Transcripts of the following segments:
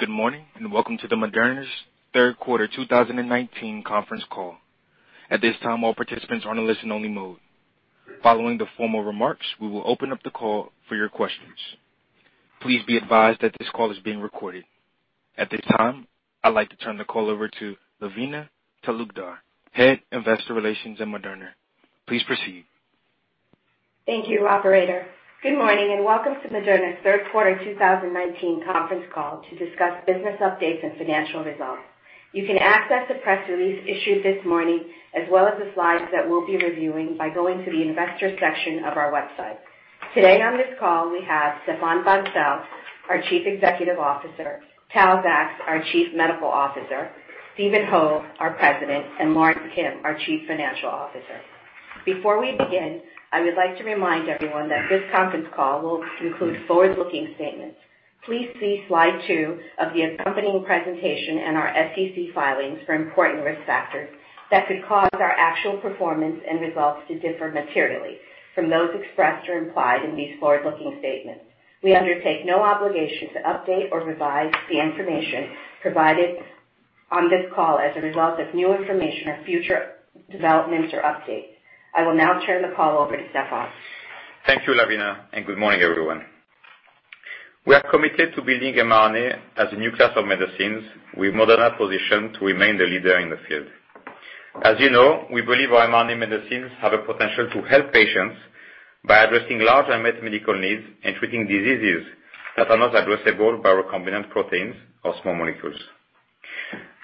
Good morning, and welcome to Moderna's third quarter 2019 conference call. At this time, all participants are in a listen only mode. Following the formal remarks, we will open up the call for your questions. Please be advised that this call is being recorded. At this time, I'd like to turn the call over to Lavina Talukdar, Head Investor Relations at Moderna. Please proceed. Thank you, operator. Good morning, welcome to Moderna's third quarter 2019 conference call to discuss business updates and financial results. You can access the press release issued this morning, as well as the slides that we'll be reviewing by going to the investor section of our website. Today on this call, we have Stéphane Bancel, our Chief Executive Officer, Tal Zaks, our Chief Medical Officer, Stephen Hoge, our President, and Lorence Kim, our Chief Financial Officer. Before we begin, I would like to remind everyone that this conference call will include forward-looking statements. Please see slide two of the accompanying presentation in our SEC filings for important risk factors that could cause our actual performance and results to differ materially from those expressed or implied in these forward-looking statements. We undertake no obligation to update or revise the information provided on this call as a result of new information or future developments or updates. I will now turn the call over to Stéphane. Thank you, Lavina, and good morning, everyone. We are committed to building mRNA as a new class of medicines with Moderna positioned to remain the leader in the field. As you know, we believe our mRNA medicines have a potential to help patients by addressing large unmet medical needs and treating diseases that are not addressable by recombinant proteins or small molecules.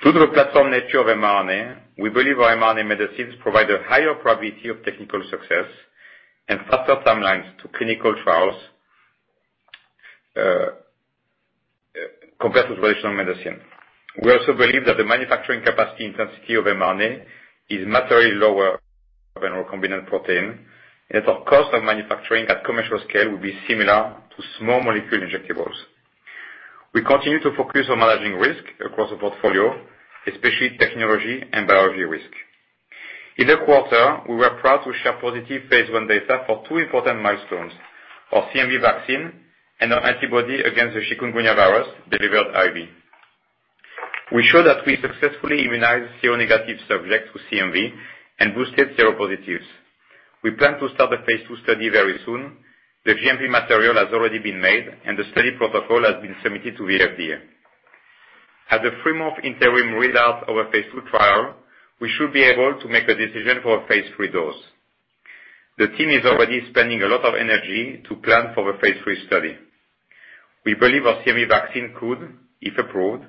Through the platform nature of mRNA, we believe our mRNA medicines provide a higher probability of technical success and faster timelines to clinical trials, compared with traditional medicine. We also believe that the manufacturing capacity intensity of mRNA is materially lower than recombinant protein, and that our cost of manufacturing at commercial scale will be similar to small molecule injectables. We continue to focus on managing risk across the portfolio, especially technology and biology risk. In the quarter, we were proud to share positive phase I data for two important milestones, our CMV vaccine and our antibody against the chikungunya virus delivered IV. We show that we successfully immunized seronegative subjects with CMV and boosted seropositives. We plan to start the phase II study very soon. The GMP material has already been made, and the study protocol has been submitted to the FDA. At the three-month interim read out of our phase II trial, we should be able to make a decision for a phase III dose. The team is already spending a lot of energy to plan for the phase III study. We believe our CMV vaccine could, if approved,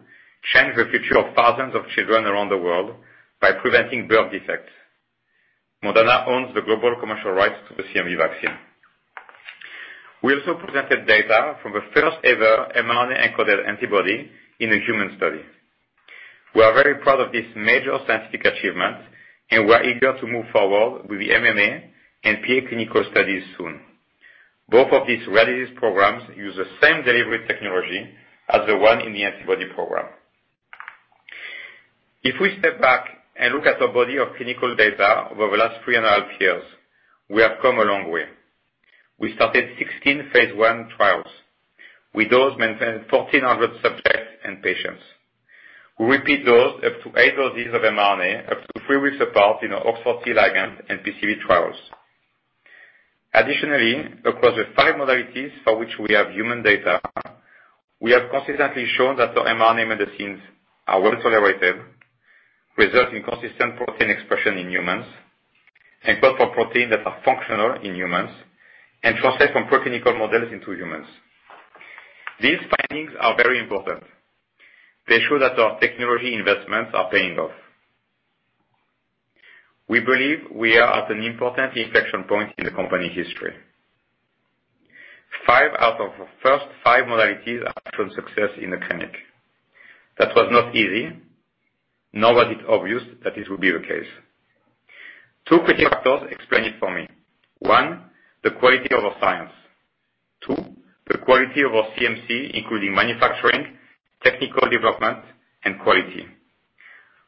change the future of thousands of children around the world by preventing birth defects. Moderna owns the global commercial rights to the CMV vaccine. We also presented data from the first ever mRNA-encoded antibody in a human study. We are very proud of this major scientific achievement, and we are eager to move forward with the MMA and PA clinical studies soon. Both of these rare disease programs use the same delivery technology as the one in the antibody program. If we step back and look at the body of clinical data over the last three and a half years, we have come a long way. We started 16 phase I trials. We dosed more than 1,400 subjects and patients. We repeat dose up to eight doses of mRNA, up to three weeks apart in our OX40 ligand and PCV trials. Additionally, across the five modalities for which we have human data, we have consistently shown that the mRNA medicines are well-tolerated, result in consistent protein expression in humans, encode for protein that are functional in humans, and translate from preclinical models into humans. These findings are very important. They show that our technology investments are paying off. We believe we are at an important inflection point in the company's history. Five out of our first five modalities are actual success in the clinic. That was not easy, nor was it obvious that this would be the case. Two key factors explain it for me. One, the quality of our science. Two, the quality of our CMC, including manufacturing, technical development, and quality.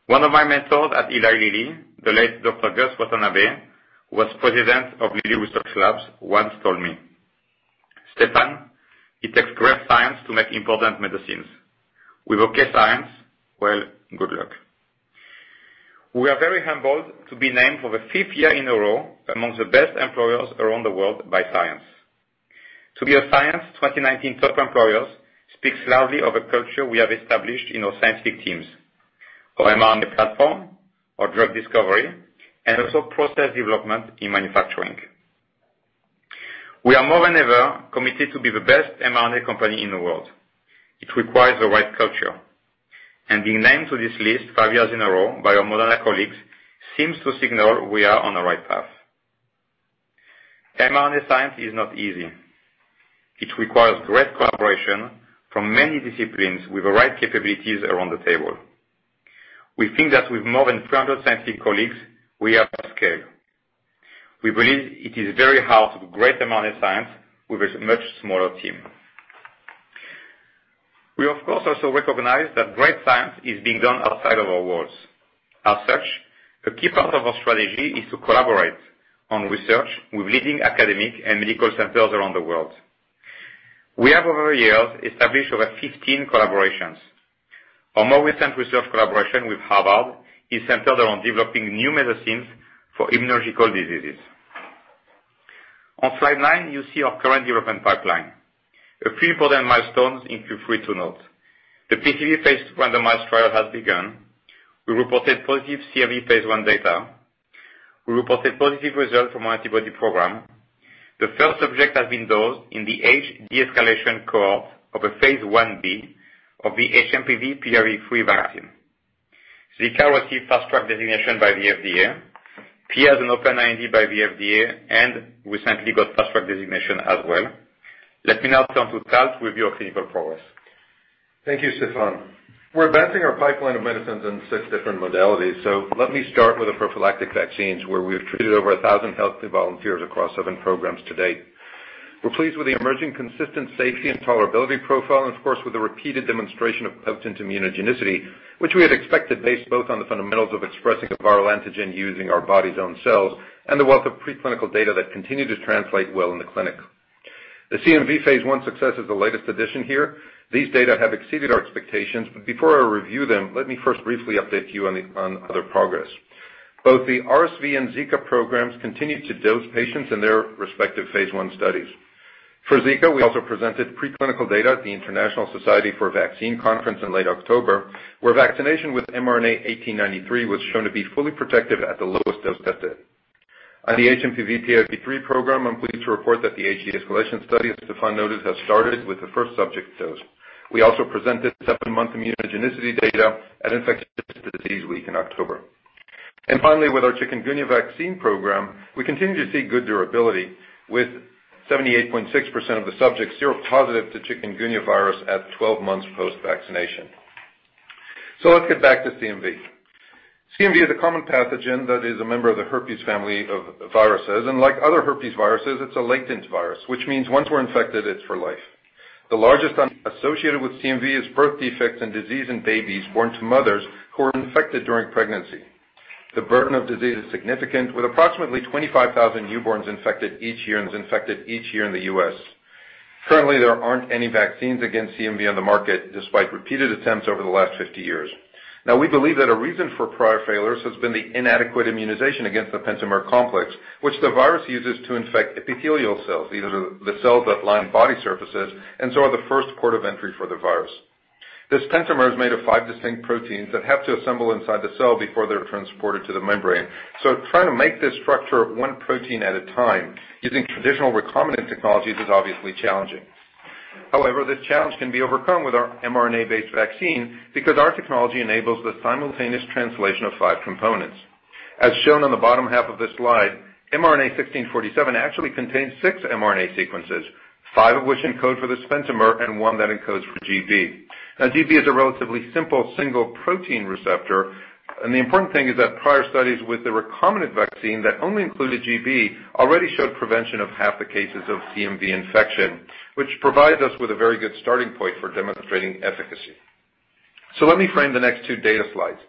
One of my mentors at Eli Lilly, the late Dr. Gus Watanabe, was president of Lilly Research Labs, once told me, "Stéphane, it takes great science to make important medicines. With okay science, well, good luck." We are very humbled to be named for the fifth year in a row among the best employers around the world by Science. To be a Science 2019 Top Employers speaks loudly of a culture we have established in our scientific teams. Our mRNA platform, our drug discovery, and also process development in manufacturing. We are more than ever committed to be the best mRNA company in the world. It requires the right culture. Being named to this list five years in a row by our Moderna colleagues seems to signal we are on the right path. mRNA science is not easy. It requires great collaboration from many disciplines with the right capabilities around the table. We think that with more than 300 scientific colleagues, we are at scale. We believe it is very hard to do great amount of science with a much smaller team. We, of course, also recognize that great science is being done outside of our walls. A key part of our strategy is to collaborate on research with leading academic and medical centers around the world. We have, over the years, established over 15 collaborations. Our more recent research collaboration with Harvard is centered around developing new medicines for immunological diseases. On slide nine, you see our current development pipeline. A few important milestones include free to note. The PCV phase randomized trial has begun. We reported positive CMV phase I data. We reported positive results from our antibody program. The first subject has been dosed in the HD escalation cohort of a phase I-B of the HMPV/PIV3 vaccine. Zika received Fast Track designation by the FDA, Orphan by the FDA. We recently got Fast Track designation as well. Let me now turn to Tal with your clinical progress. Thank you, Stéphane. We're advancing our pipeline of medicines in six different modalities. Let me start with the prophylactic vaccines, where we have treated over 1,000 healthy volunteers across seven programs to date. We're pleased with the emerging consistent safety and tolerability profile, and of course, with the repeated demonstration of potent immunogenicity, which we had expected based both on the fundamentals of expressing a viral antigen using our body's own cells and the wealth of preclinical data that continue to translate well in the clinic. The CMV phase I success is the latest addition here. These data have exceeded our expectations. Before I review them, let me first briefly update you on other progress. Both the RSV and Zika programs continue to dose patients in their respective phase I studies. For Zika, we also presented preclinical data at the International Society for Vaccines Annual Conference in late October, where vaccination with mRNA-1893 was shown to be fully protective at the lowest dose tested. On the HMPV/PIV3 program, I'm pleased to report that the HD escalation study, as Stéphane noted, has started with the first subject dosed. We also presented seven-month immunogenicity data at IDWeek in October. Finally, with our chikungunya vaccine program, we continue to see good durability with 78.6% of the subjects seropositive to chikungunya virus at 12 months post-vaccination. Let's get back to CMV. CMV is a common pathogen that is a member of the herpes family of viruses, and like other herpes viruses, it's a latent virus, which means once we're infected, it's for life. The largest associated with CMV is birth defects and disease in babies born to mothers who are infected during pregnancy. The burden of disease is significant, with approximately 25,000 newborns infected each year in the U.S. Currently, there aren't any vaccines against CMV on the market, despite repeated attempts over the last 50 years. We believe that a reason for prior failures has been the inadequate immunization against the pentamer complex, which the virus uses to infect epithelial cells. These are the cells that line body surfaces and so are the first port of entry for the virus. This pentamer is made of five distinct proteins that have to assemble inside the cell before they're transported to the membrane. Trying to make this structure one protein at a time using traditional recombinant technologies is obviously challenging. However, this challenge can be overcome with our mRNA-based vaccine because our technology enables the simultaneous translation of five components. As shown on the bottom half of this slide, mRNA-1647 actually contains six mRNA sequences, five of which encode for this pentamer and one that encodes for gB. gB is a relatively simple single protein receptor, and the important thing is that prior studies with the recombinant vaccine that only included gB already showed prevention of half the cases of CMV infection, which provides us with a very good starting point for demonstrating efficacy. Let me frame the next two data slides.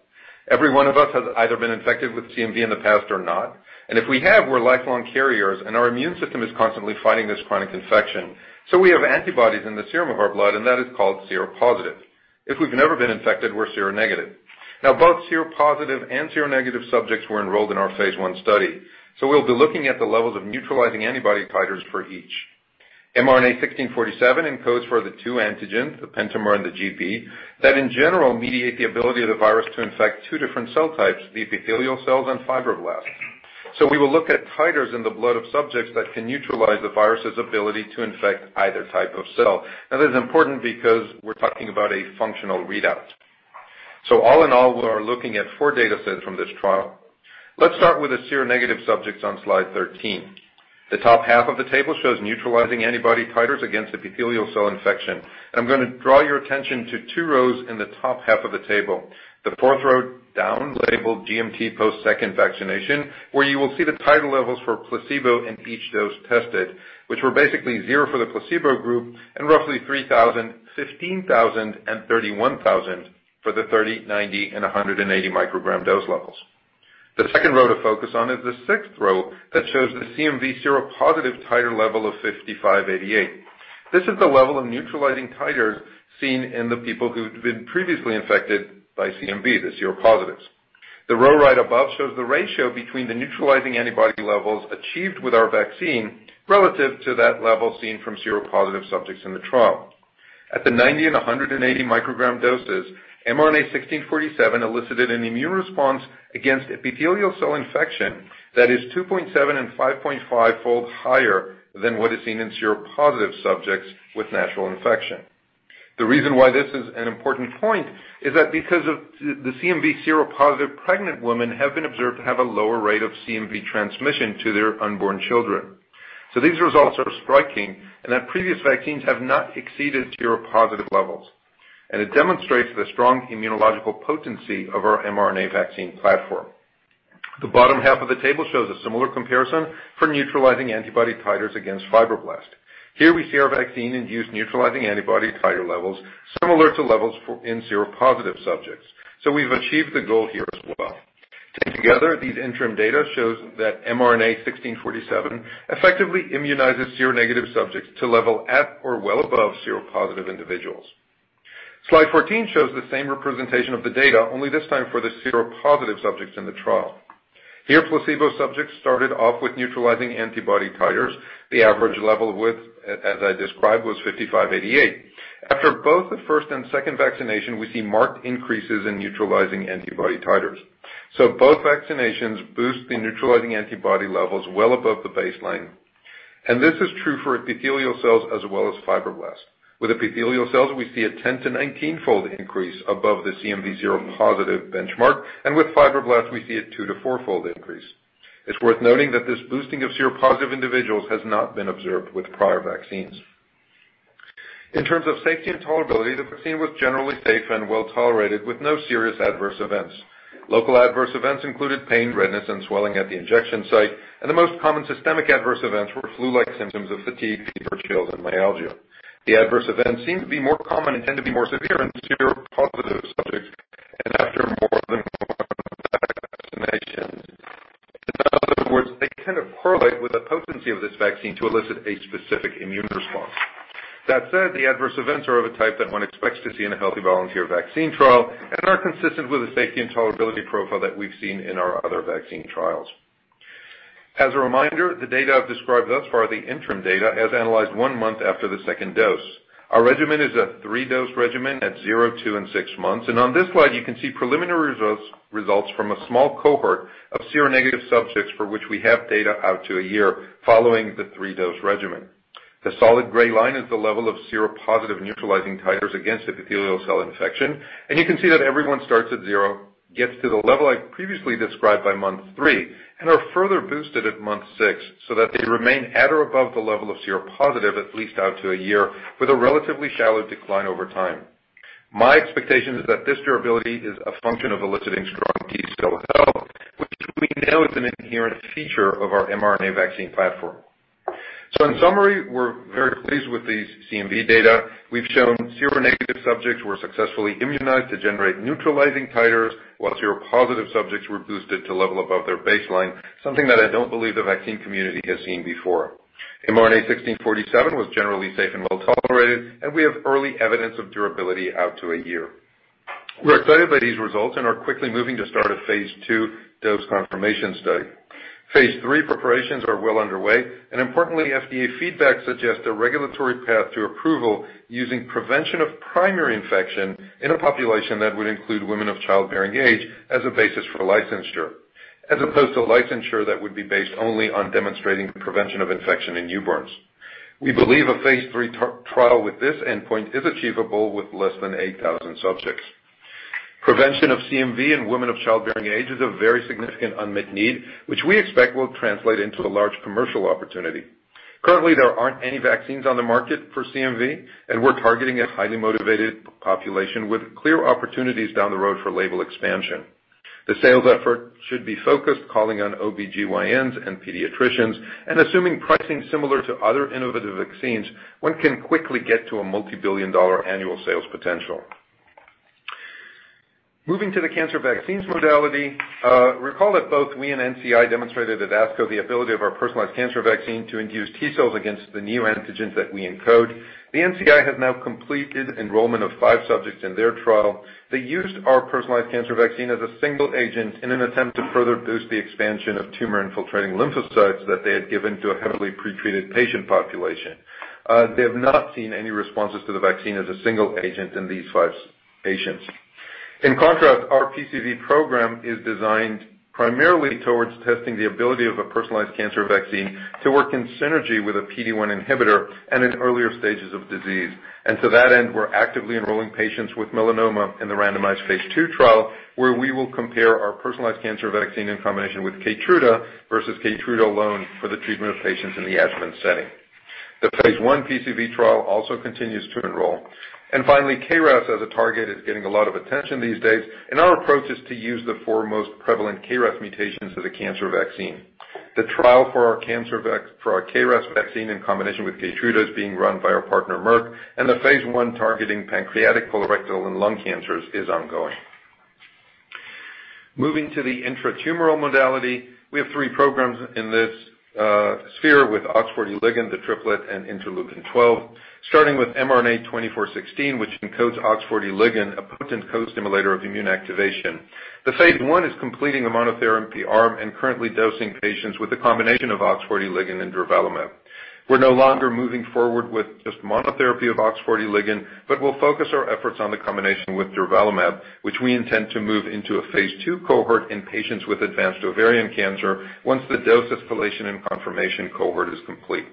Every one of us has either been infected with CMV in the past or not. If we have, we're lifelong carriers, and our immune system is constantly fighting this chronic infection. We have antibodies in the serum of our blood, and that is called seropositive. If we've never been infected, we're seronegative. Both seropositive and seronegative subjects were enrolled in our phase I study. We'll be looking at the levels of neutralizing antibody titers for each. mRNA-1647 encodes for the two antigens, the pentamer and the gB, that in general mediate the ability of the virus to infect two different cell types, the epithelial cells and fibroblasts. We will look at titers in the blood of subjects that can neutralize the virus' ability to infect either type of cell. This is important because we're talking about a functional readout. All in all, we are looking at four data sets from this trial. Let's start with the seronegative subjects on slide 13. The top half of the table shows neutralizing antibody titers against epithelial cell infection. I'm going to draw your attention to two rows in the top half of the table. The fourth row down labeled GMT post second vaccination, where you will see the titer levels for placebo in each dose tested, which were basically zero for the placebo group and roughly 3,000, 15,000, and 31,000 for the 30, 90, and 180 microgram dose levels. The second row to focus on is the sixth row that shows the CMV seropositive titer level of 5,588. This is the level of neutralizing titers seen in the people who've been previously infected by CMV, the seropositives. The row right above shows the ratio between the neutralizing antibody levels achieved with our vaccine relative to that level seen from seropositive subjects in the trial. At the 90 and 180 microgram doses, mRNA-1647 elicited an immune response against epithelial cell infection that is 2.7 and 5.5 fold higher than what is seen in seropositive subjects with natural infection. The reason why this is an important point is that because of the CMV seropositive pregnant women have been observed to have a lower rate of CMV transmission to their unborn children. These results are striking and that previous vaccines have not exceeded seropositive levels. It demonstrates the strong immunological potency of our mRNA vaccine platform. The bottom half of the table shows a similar comparison for neutralizing antibody titers against fibroblasts. Here we see our vaccine induce neutralizing antibody titer levels similar to levels in seropositive subjects. We've achieved the goal here as well. Taken together, these interim data shows that mRNA-1647 effectively immunizes seronegative subjects to level at or well above seropositive individuals. Slide 14 shows the same representation of the data, only this time for the seropositive subjects in the trial. Here, placebo subjects started off with neutralizing antibody titers. The average level, as I described, was 5,588. After both the first and second vaccination, we see marked increases in neutralizing antibody titers. Both vaccinations boost the neutralizing antibody levels well above the baseline. This is true for epithelial cells as well as fibroblasts. With epithelial cells, we see a 10-19 fold increase above the CMV seropositive benchmark, and with fibroblasts we see a two to fourfold increase. It's worth noting that this boosting of seropositive individuals has not been observed with prior vaccines. In terms of safety and tolerability, the vaccine was generally safe and well tolerated with no serious adverse events. Local adverse events included pain, redness, and swelling at the injection site, and the most common systemic adverse events were flu-like symptoms of fatigue, fever, chills, and myalgia. The adverse events seem to be more common and tend to be more severe in seropositive subjects and after more than one vaccination. In other words, they kind of correlate with the potency of this vaccine to elicit a specific immune response. That said, the adverse events are of a type that one expects to see in a healthy volunteer vaccine trial and are consistent with the safety and tolerability profile that we've seen in our other vaccine trials. As a reminder, the data I've described thus far are the interim data as analyzed one month after the second dose. Our regimen is a three-dose regimen at zero, two, and six months. On this slide, you can see preliminary results from a small cohort of seronegative subjects for which we have data out to a year following the three-dose regimen. The solid gray line is the level of seropositive neutralizing titers against epithelial cell infection, and you can see that everyone starts at zero, gets to the level I previously described by month three, and are further boosted at month six so that they remain at or above the level of seropositive at least out to a year with a relatively shallow decline over time. My expectation is that this durability is a function of eliciting strong T cell help which we know is an inherent feature of our mRNA vaccine platform. In summary, we're very pleased with these CMV data. We've shown seronegative subjects were successfully immunized to generate neutralizing titers, while seropositive subjects were boosted to level above their baseline, something that I don't believe the vaccine community has seen before. mRNA-1647 was generally safe and well tolerated, and we have early evidence of durability out to a year. We're excited by these results and are quickly moving to start a phase II dose confirmation study. Phase III preparations are well underway, and importantly, FDA feedback suggests a regulatory path to approval using prevention of primary infection in a population that would include women of childbearing age as a basis for licensure, as opposed to licensure that would be based only on demonstrating prevention of infection in newborns. We believe a phase III trial with this endpoint is achievable with less than 8,000 subjects. Prevention of CMV in women of childbearing age is a very significant unmet need, which we expect will translate into a large commercial opportunity. Currently, there aren't any vaccines on the market for CMV. We're targeting a highly motivated population with clear opportunities down the road for label expansion. The sales effort should be focused, calling on OBGYNs and pediatricians. Assuming pricing similar to other innovative vaccines, one can quickly get to a multi-billion dollar annual sales potential. Moving to the cancer vaccines modality. Recall that both we and NCI demonstrated at ASCO the ability of our personalized cancer vaccine to induce T cells against the neoantigens that we encode. The NCI has now completed enrollment of five subjects in their trial. They used our personalized cancer vaccine as a single agent in an attempt to further boost the expansion of tumor infiltrating lymphocytes that they had given to a heavily pretreated patient population. They have not seen any responses to the vaccine as a single agent in these five patients. In contrast, our PCV program is designed primarily towards testing the ability of a personalized cancer vaccine to work in synergy with a PD-1 inhibitor and in earlier stages of disease. To that end, we're actively enrolling patients with melanoma in the randomized phase II trial, where we will compare our personalized cancer vaccine in combination with KEYTRUDA versus KEYTRUDA alone for the treatment of patients in the adjuvant setting. The phase I PCV trial also continues to enroll. Finally, KRAS as a target is getting a lot of attention these days, and our approach is to use the four most prevalent KRAS mutations as a cancer vaccine. The trial for our KRAS vaccine in combination with KEYTRUDA is being run by our partner, Merck, and the phase I targeting pancreatic, colorectal, and lung cancers is ongoing. Moving to the intratumoral modality. We have three programs in this sphere with OX40 ligand, the triplet, and IL-12. Starting with mRNA-2416, which encodes OX40 ligand, a potent co-stimulator of immune activation. The phase I is completing the monotherapy arm and currently dosing patients with a combination of OX40 ligand and durvalumab. We're no longer moving forward with just monotherapy of OX40 ligand, but we'll focus our efforts on the combination with durvalumab, which we intend to move into a phase II cohort in patients with advanced ovarian cancer once the dose escalation and confirmation cohort is complete.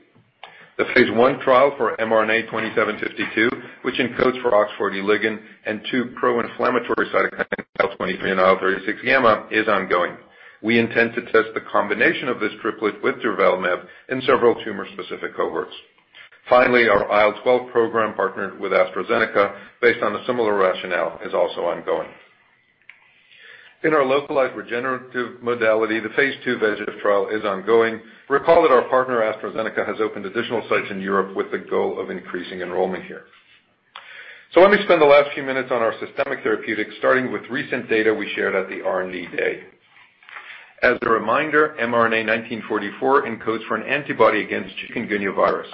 The phase I trial for mRNA-2752, which encodes for OX40 ligand and two pro-inflammatory cytokines, IL-23 and IL-36 gamma, is ongoing. We intend to test the combination of this triplet with durvalumab in several tumor-specific cohorts. Our IL-12 program partnered with AstraZeneca based on a similar rationale is also ongoing. In our localized regenerative modality, the phase II VEGF trial is ongoing. Recall that our partner, AstraZeneca, has opened additional sites in Europe with the goal of increasing enrollment here. Let me spend the last few minutes on our systemic therapeutics, starting with recent data we shared at the R&D day. As a reminder, mRNA-1944 encodes for an antibody against Chikungunya virus.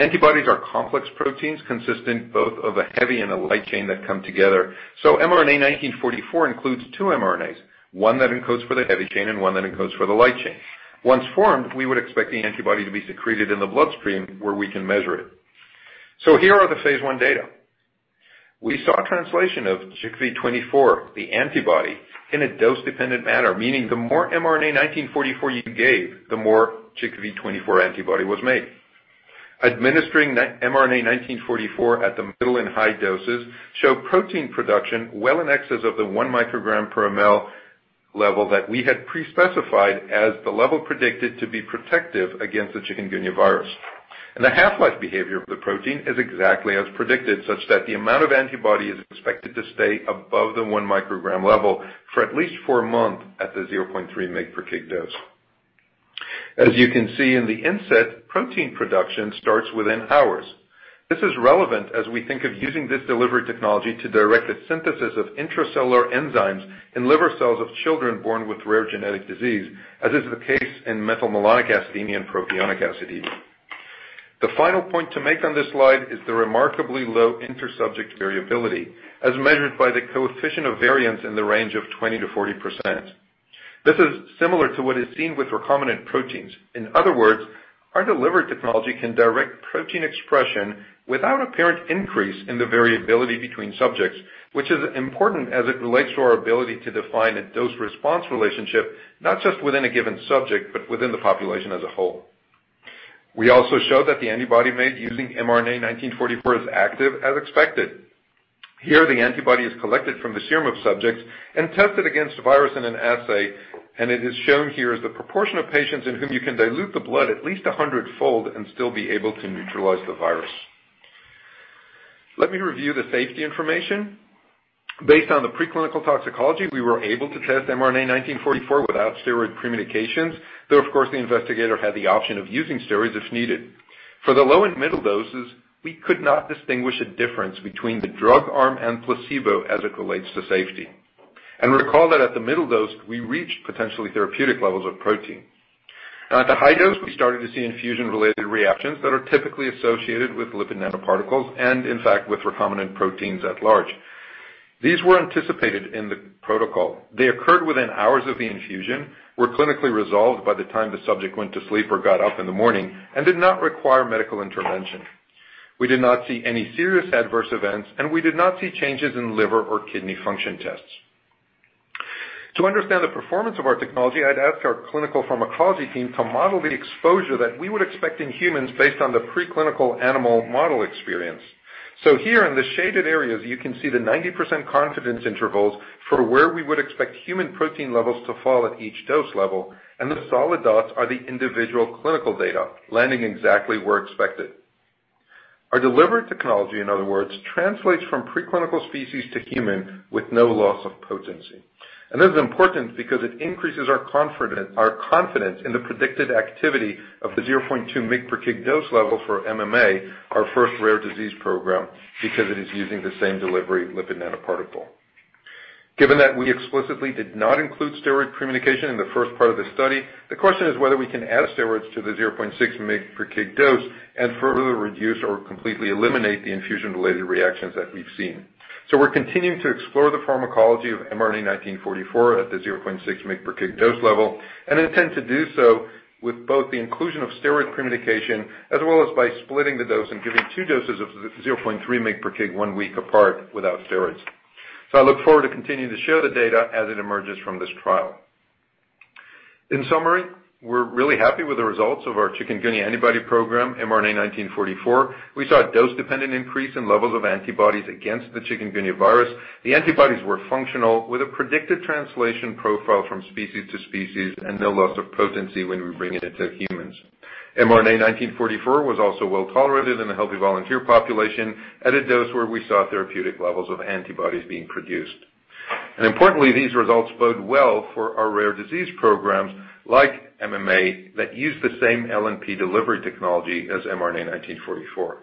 Antibodies are complex proteins consistent both of a heavy and a light chain that come together. mRNA-1944 includes two mRNAs, one that encodes for the heavy chain and one that encodes for the light chain. Once formed, we would expect the antibody to be secreted in the bloodstream where we can measure it. Here are the phase I data. We saw translation of CHKV-24, the antibody, in a dose-dependent manner, meaning the more mRNA-1944 you gave, the more CHKV-24 antibody was made. Administering mRNA-1944 at the middle and high doses showed protein production well in excess of the 1 microgram per ML level that we had pre-specified as the level predicted to be protective against the Chikungunya virus. The half-life behavior of the protein is exactly as predicted, such that the amount of antibody is expected to stay above the 1 microgram level for at least four months at the 0.3 mg per kg dose. As you can see in the inset, protein production starts within hours. This is relevant as we think of using this delivery technology to direct the synthesis of intracellular enzymes in liver cells of children born with rare genetic disease, as is the case in methylmalonic acidemia and propionic acidemia. The final point to make on this slide is the remarkably low inter-subject variability, as measured by the coefficient of variance in the range of 20%-40%. This is similar to what is seen with recombinant proteins. In other words, our delivered technology can direct protein expression without apparent increase in the variability between subjects, which is important as it relates to our ability to define a dose-response relationship, not just within a given subject, but within the population as a whole. We also show that the antibody made using mRNA-1944 is active as expected. Here, the antibody is collected from the serum of subjects and tested against the virus in an assay, and it is shown here as the proportion of patients in whom you can dilute the blood at least a hundredfold and still be able to neutralize the virus. Let me review the safety information. Based on the preclinical toxicology, we were able to test mRNA-1944 without steroid pre-medications, though, of course, the investigator had the option of using steroids if needed. For the low and middle doses, we could not distinguish a difference between the drug arm and placebo as it relates to safety. Recall that at the middle dose, we reached potentially therapeutic levels of protein. At the high dose, we started to see infusion-related reactions that are typically associated with lipid nanoparticles and in fact, with recombinant proteins at large. These were anticipated in the protocol. They occurred within hours of the infusion, were clinically resolved by the time the subject went to sleep or got up in the morning, and did not require medical intervention. We did not see any serious adverse events, and we did not see changes in liver or kidney function tests. To understand the performance of our technology, I'd ask our clinical pharmacology team to model the exposure that we would expect in humans based on the preclinical animal model experience. Here in the shaded areas, you can see the 90% confidence intervals for where we would expect human protein levels to fall at each dose level, and the solid dots are the individual clinical data, landing exactly where expected. Our delivered technology, in other words, translates from preclinical species to human with no loss of potency. This is important because it increases our confidence in the predicted activity of the 0.2 mg per kg dose level for MMA, our first rare disease program, because it is using the same delivery lipid nanoparticle. Given that we explicitly did not include steroid pre-medication in the first part of the study, the question is whether we can add steroids to the 0.6 mg per kg dose and further reduce or completely eliminate the infusion-related reactions that we've seen. We're continuing to explore the pharmacology of mRNA-1944 at the 0.6 mg per kg dose level, and intend to do so with both the inclusion of steroid pre-medication, as well as by splitting the dose and giving two doses of 0.3 mg per kg one week apart without steroids. I look forward to continuing to show the data as it emerges from this trial. In summary, we're really happy with the results of our chikungunya antibody program, mRNA-1944. We saw a dose-dependent increase in levels of antibodies against the chikungunya virus. The antibodies were functional with a predicted translation profile from species to species and no loss of potency when we bring it into humans. mRNA-1944 was also well-tolerated in a healthy volunteer population at a dose where we saw therapeutic levels of antibodies being produced. Importantly, these results bode well for our rare disease programs like MMA that use the same LNP delivery technology as mRNA-1944.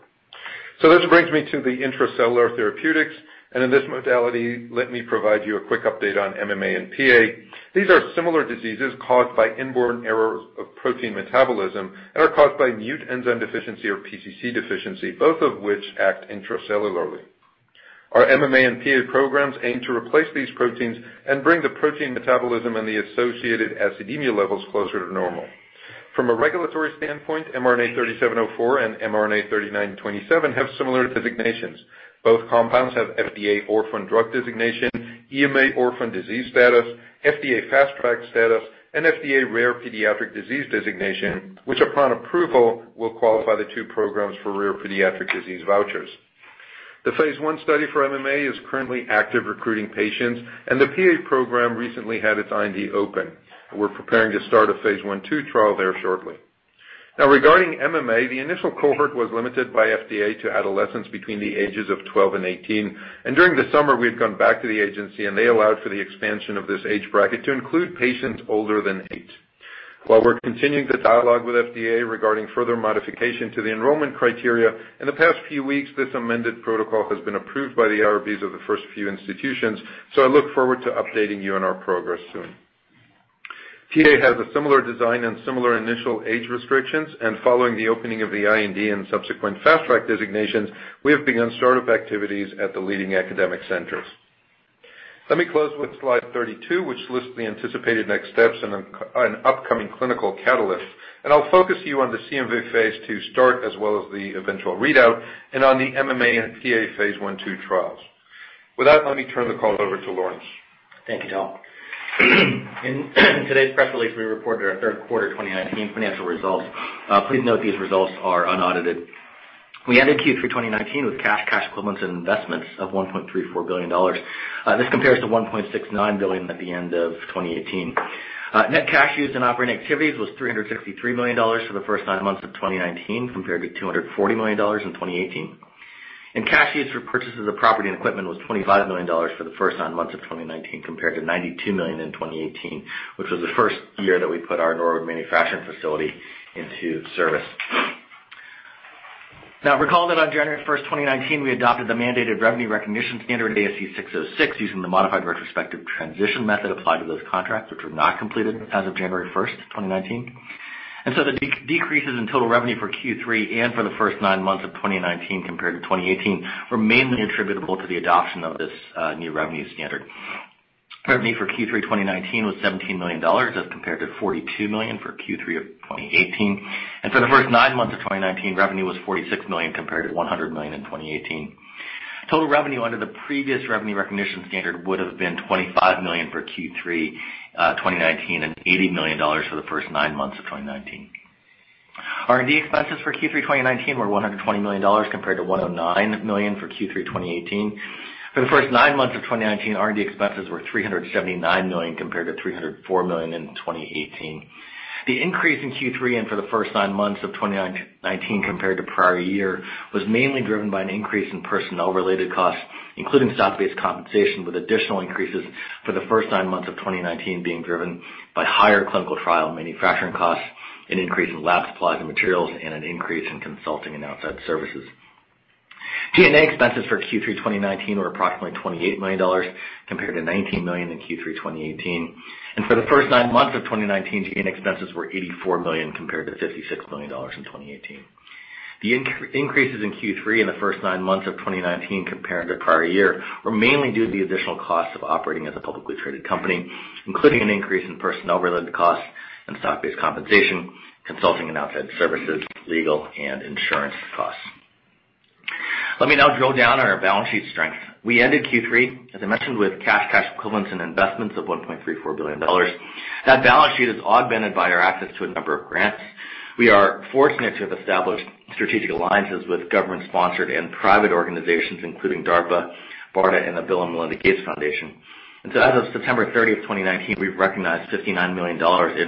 This brings me to the intracellular therapeutics, and in this modality, let me provide you a quick update on MMA and PA. These are similar diseases caused by inborn errors of protein metabolism and are caused by MUT enzyme deficiency or PCC deficiency, both of which act intracellularly. Our MMA and PA programs aim to replace these proteins and bring the protein metabolism and the associated acidemia levels closer to normal. From a regulatory standpoint, mRNA-3704 and mRNA-3927 have similar designations. Both compounds have FDA orphan drug designation, EMA orphan disease status, FDA Fast Track status, and FDA rare pediatric disease designation, which upon approval will qualify the two programs for rare pediatric disease vouchers. The phase I study for MMA is currently active recruiting patients, and the PA program recently had its IND open. We're preparing to start a phase I/II trial there shortly. Regarding MMA, the initial cohort was limited by FDA to adolescents between the ages of 12 and 18. During the summer, we had gone back to the agency, and they allowed for the expansion of this age bracket to include patients older than 18. While we're continuing the dialogue with FDA regarding further modification to the enrollment criteria, in the past few weeks, this amended protocol has been approved by the IRBs of the first few institutions. I look forward to updating you on our progress soon. PA has a similar design and similar initial age restrictions, and following the opening of the IND and subsequent Fast Track designations, we have begun start-up activities at the leading academic centers. Let me close with slide 32, which lists the anticipated next steps and upcoming clinical catalysts. I'll focus you on the CMV phase II start as well as the eventual readout and on the MMA and PA phase I/II trials. With that, let me turn the call over to Lorence. Thank you, Tal. In today's press release, we reported our third quarter 2019 financial results. Please note these results are unaudited. We ended Q3 2019 with cash equivalents, and investments of $1.34 billion. This compares to $1.69 billion at the end of 2018. Net cash used in operating activities was $363 million for the first nine months of 2019, compared to $240 million in 2018. Cash used for purchases of property and equipment was $25 million for the first nine months of 2019, compared to $92 million in 2018, which was the first year that we put our Norwood manufacturing facility into service. Now, recall that on January 1st, 2019, we adopted the mandated revenue recognition standard ASC 606, using the modified retrospective transition method applied to those contracts which were not completed as of January 1st, 2019. The decreases in total revenue for Q3 and for the first nine months of 2019 compared to 2018 were mainly attributable to the adoption of this new revenue standard. Revenue for Q3 2019 was $17 million as compared to $42 million for Q3 of 2018. For the first nine months of 2019, revenue was $46 million compared to $100 million in 2018. Total revenue under the previous revenue recognition standard would have been $25 million for Q3 2019 and $80 million for the first nine months of 2019. R&D expenses for Q3 2019 were $120 million, compared to $109 million for Q3 2018. For the first nine months of 2019, R&D expenses were $379 million, compared to $304 million in 2018. The increase in Q3 and for the first nine months of 2019 compared to prior year, was mainly driven by an increase in personnel-related costs, including stock-based compensation, with additional increases for the first nine months of 2019 being driven by higher clinical trial manufacturing costs, an increase in lab supplies and materials, and an increase in consulting and outside services. G&A expenses for Q3 2019 were approximately $28 million, compared to $19 million in Q3 2018. For the first nine months of 2019, G&A expenses were $84 million compared to $56 million in 2018. The increases in Q3 and the first nine months of 2019 compared to the prior year were mainly due to the additional costs of operating as a publicly traded company, including an increase in personnel-related costs and stock-based compensation, consulting and outside services, legal, and insurance costs. Let me now drill down on our balance sheet strength. We ended Q3, as I mentioned, with cash equivalents, and investments of $1.34 billion. That balance sheet is augmented by our access to a number of grants. We are fortunate to have established strategic alliances with government-sponsored and private organizations including DARPA, BARDA, and the Bill & Melinda Gates Foundation. As of September 30th, 2019, we've recognized $59 million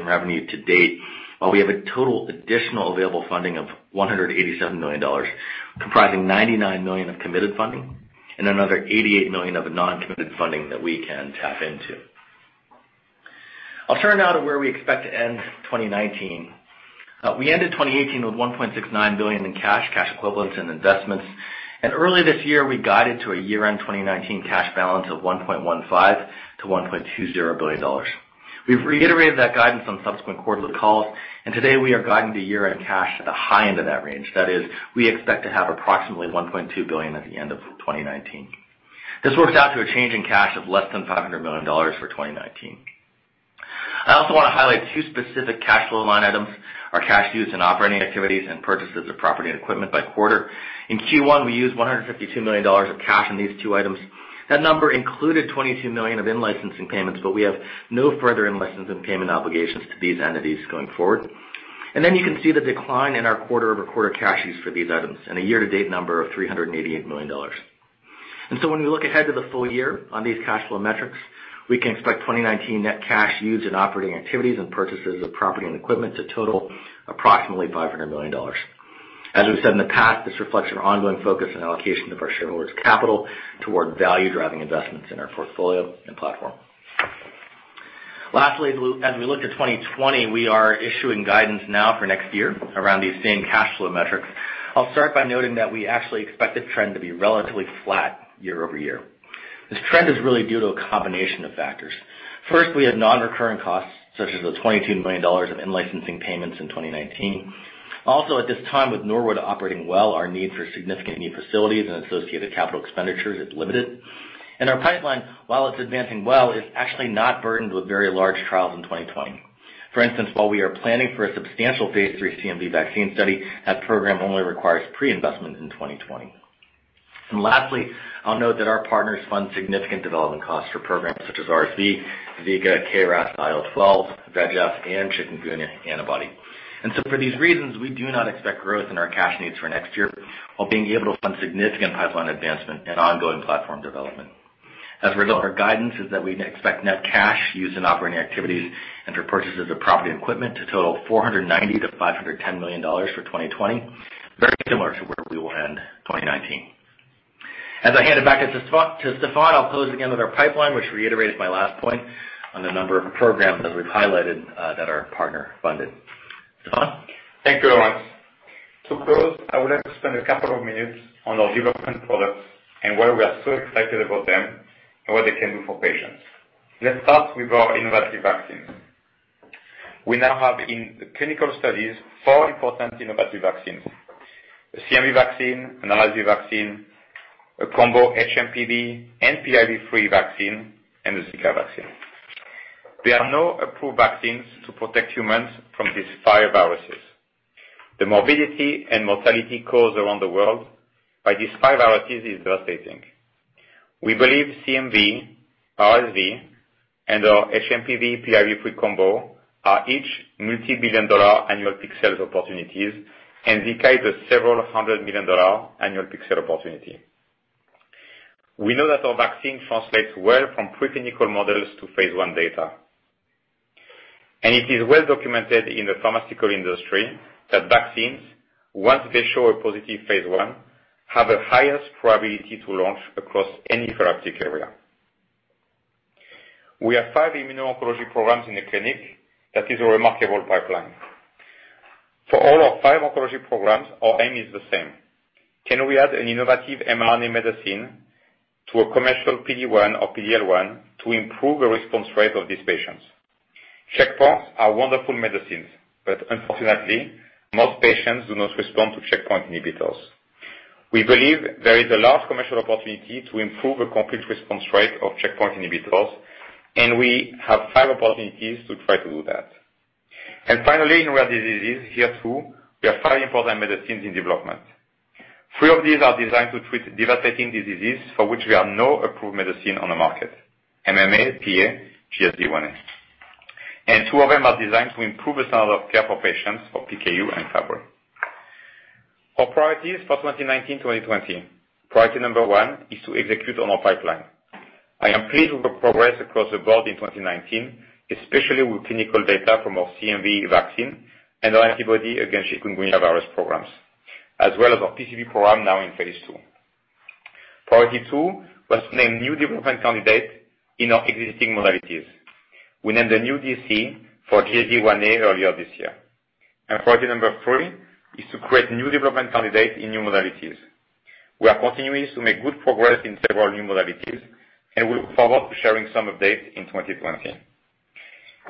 in revenue to date, while we have a total additional available funding of $187 million, comprising $99 million of committed funding and another $88 million of non-committed funding that we can tap into. I'll turn now to where we expect to end 2019. We ended 2018 with $1.69 billion in cash equivalents, and investments. Early this year, we guided to a year-end 2019 cash balance of $1.15 billion-$1.20 billion. We've reiterated that guidance on subsequent quarterly calls, and today we are guiding the year-end cash at the high end of that range. That is, we expect to have approximately $1.2 billion at the end of 2019. This works out to a change in cash of less than $500 million for 2019. I also want to highlight two specific cash flow line items, our cash used in operating activities and purchases of property and equipment by quarter. In Q1, we used $152 million of cash in these two items. That number included $22 million of in-licensing payments, but we have no further in-licensing payment obligations to these entities going forward. You can see the decline in our quarter-over-quarter cash use for these items and a year-to-date number of $388 million. When we look ahead to the full year on these cash flow metrics, we can expect 2019 net cash used in operating activities and purchases of property and equipment to total approximately $500 million. As we've said in the past, this reflects our ongoing focus and allocation of our shareholders' capital toward value-driving investments in our portfolio and platform. Lastly, as we look to 2020, we are issuing guidance now for next year around these same cash flow metrics. I'll start by noting that we actually expect the trend to be relatively flat year-over-year. This trend is really due to a combination of factors. First, we have non-recurring costs, such as the $22 million of in-licensing payments in 2019. Also, at this time, with Norwood operating well, our need for significant new facilities and associated capital expenditures is limited. Our pipeline, while it's advancing well, is actually not burdened with very large trials in 2020. For instance, while we are planning for a substantial phase III CMV vaccine study, that program only requires pre-investment in 2020. Lastly, I'll note that our partners fund significant development costs for programs such as RSV, Zika, KRAS, IL-12, VEGF-A, and chikungunya antibody. For these reasons, we do not expect growth in our cash needs for next year, while being able to fund significant pipeline advancement and ongoing platform development. As a result, our guidance is that we expect net cash used in operating activities and for purchases of property equipment to total $490 million-$510 million for 2020, very similar to where we will end 2019. As I hand it back to Stéphane, I'll close again with our pipeline, which reiterates my last point on the number of programs that we've highlighted that are partner funded. Stéphane? Thank you, Ernst. To close, I would like to spend a couple of minutes on our development products and why we are so excited about them and what they can do for patients. Let's start with our innovative vaccines. We now have in the clinical studies four important innovative vaccines, a CMV vaccine, an RSV vaccine, a combo HMPV and PIV3 vaccine, and a Zika vaccine. There are no approved vaccines to protect humans from these five viruses. The morbidity and mortality caused around the world by these five viruses is devastating. We believe CMV, RSV, and our HMPV-PIV3 combo are each multi-billion dollar annual peak sales opportunities, and Zika is a several hundred million dollar annual peak sale opportunity. We know that our vaccine translates well from preclinical models to phase I data. It is well documented in the pharmaceutical industry that vaccines, once they show a positive phase I, have the highest probability to launch across any therapeutic area. We have 5 immuno-oncology programs in the clinic. That is a remarkable pipeline. For all our 5 oncology programs, our aim is the same. Can we add an innovative mRNA medicine to a commercial PD-1 or PD-L1 to improve the response rate of these patients? Checkpoints are wonderful medicines, but unfortunately, most patients do not respond to checkpoint inhibitors. We believe there is a large commercial opportunity to improve the complete response rate of checkpoint inhibitors, and we have 5 opportunities to try to do that. Finally, in rare diseases, here too, we have 5 important medicines in development. 3 of these are designed to treat devastating diseases for which there are no approved medicine on the market, MMA, PA, GSD1A. Two of them are designed to improve the standard of care for patients for PKU and Fabry. Our priorities for 2019-2020. Priority number one is to execute on our pipeline. I am pleased with the progress across the board in 2019, especially with clinical data from our CMV vaccine and our antibody against chikungunya virus programs, as well as our PCV program now in phase II. Priority two was to name new development candidates in our existing modalities. We named a new DC for GSD1A earlier this year. Priority number three is to create new development candidates in new modalities. We are continuing to make good progress in several new modalities, and we look forward to sharing some updates in 2020.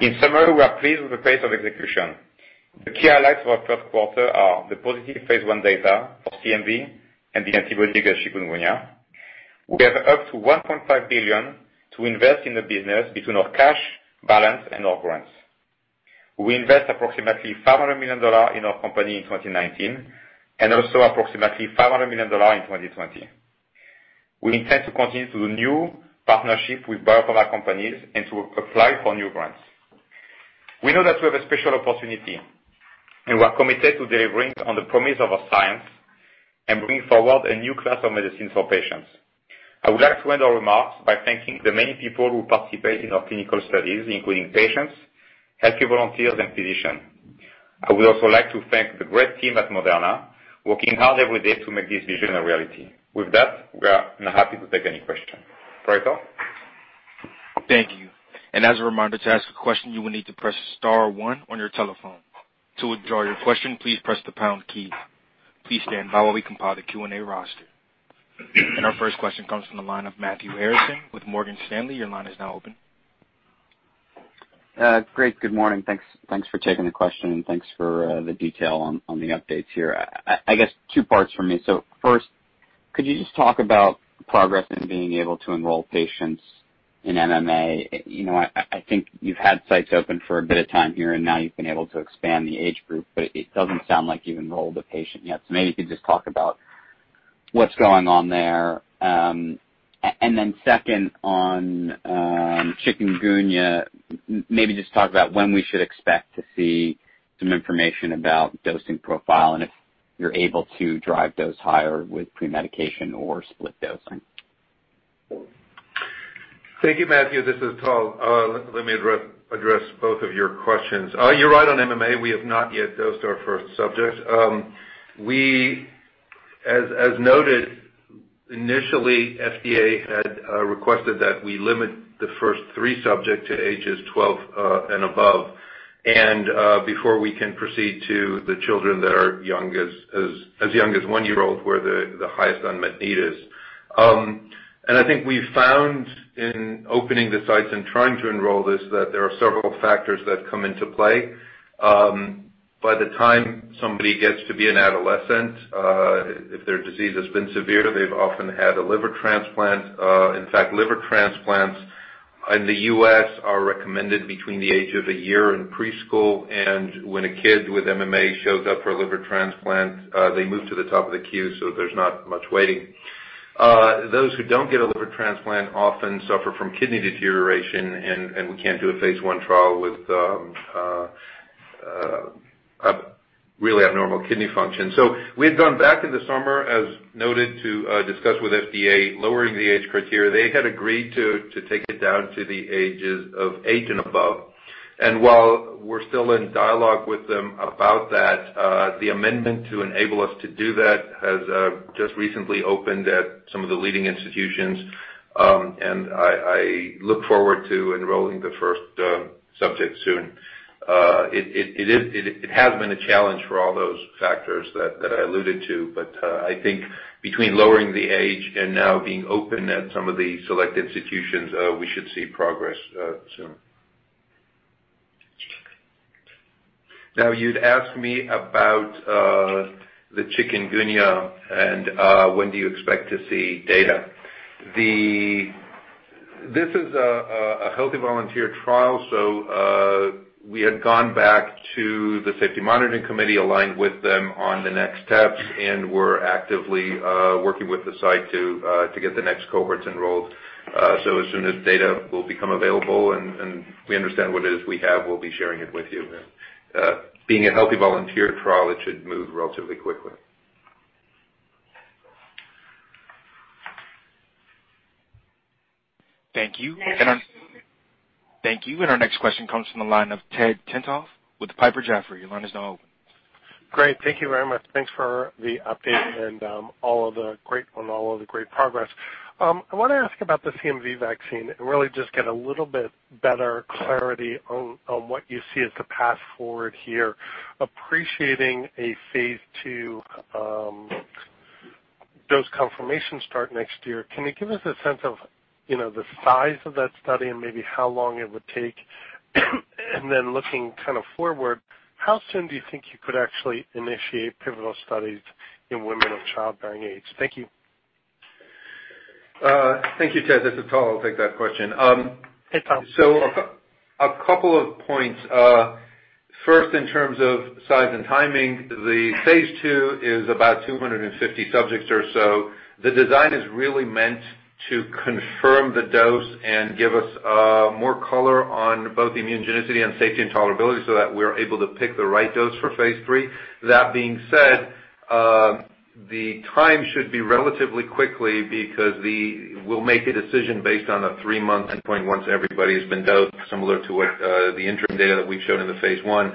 In summary, we are pleased with the pace of execution. The key highlights for our third quarter are the positive phase I data for CMV and the antibody against chikungunya. We have up to $1.5 billion to invest in the business between our cash balance and our grants. We invest approximately $500 million in our company in 2019, and also approximately $500 million in 2020. We intend to continue to do new partnership with biopharmaceutical companies and to apply for new grants. We know that we have a special opportunity, and we are committed to delivering on the promise of our science and bring forward a new class of medicines for patients. I would like to end our remarks by thanking the many people who participate in our clinical studies, including patients, healthy volunteers, and physicians. I would also like to thank the great team at Moderna working hard every day to make this vision a reality. With that, we are now happy to take any question. Operator? Thank you. As a reminder, to ask a question, you will need to press star one on your telephone. To withdraw your question, please press the pound key. Please stand by while we compile the Q&A roster. Our first question comes from the line of Matthew Harrison with Morgan Stanley. Your line is now open. Great. Good morning. Thanks for taking the question, and thanks for the detail on the updates here. I guess two parts from me. First, could you just talk about progress in being able to enroll patients in MMA? I think you've had sites open for a bit of time here, and now you've been able to expand the age group, but it doesn't sound like you've enrolled a patient yet. Maybe if you could just talk about what's going on there. Then second on chikungunya, maybe just talk about when we should expect to see some information about dosing profile and if you're able to drive dose higher with pre-medication or split dosing. Thank you, Matthew. This is Tal. Let me address both of your questions. You're right on MMA. We have not yet dosed our first subject. As noted initially, FDA had requested that we limit the first three subject to ages 12 and above. Before we can proceed to the children that are as young as one-year-old, where the highest unmet need is. I think we've found in opening the sites and trying to enroll this, that there are several factors that come into play. By the time somebody gets to be an adolescent, if their disease has been severe, they've often had a liver transplant. In fact, liver transplants in the U.S. are recommended between the age of a year and preschool. When a kid with MMA shows up for a liver transplant, they move to the top of the queue. There's not much waiting. Those who don't get a liver transplant often suffer from kidney deterioration, and we can't do a phase I trial with really abnormal kidney function. We had gone back in the summer, as noted, to discuss with FDA lowering the age criteria. They had agreed to take it down to the ages of eight and above. While we're still in dialogue with them about that, the amendment to enable us to do that has just recently opened at some of the leading institutions. I look forward to enrolling the first subject soon. It has been a challenge for all those factors that I alluded to. I think between lowering the age and now being open at some of the select institutions, we should see progress soon. Now, you'd asked me about the chikungunya and when do you expect to see data. This is a healthy volunteer trial, so we had gone back to the safety monitoring committee, aligned with them on the next steps, and we're actively working with the site to get the next cohorts enrolled. As soon as data will become available, and we understand what it is we have, we'll be sharing it with you. Being a healthy volunteer trial, it should move relatively quickly. Thank you. Our next question comes from the line of Ted Tenthoff with Piper Jaffray. Your line is now open. Great. Thank you very much. Thanks for the update and all of the great progress. I want to ask about the CMV vaccine and really just get a little bit better clarity on what you see as the path forward here. Appreciating a phase II dose confirmation start next year, can you give us a sense of the size of that study and maybe how long it would take? Looking kind of forward, how soon do you think you could actually initiate pivotal studies in women of childbearing age? Thank you. Thank you, Ted. This is Tal. I'll take that question. Hey, Tal. A couple of points. First, in terms of size and timing, the phase II is about 250 subjects or so. The design is really meant to confirm the dose and give us more color on both immunogenicity and safety and tolerability so that we're able to pick the right dose for phase III. That being said, the time should be relatively quickly because we'll make a decision based on a three-month endpoint once everybody has been dosed, similar to what the interim data that we've shown in the phase I.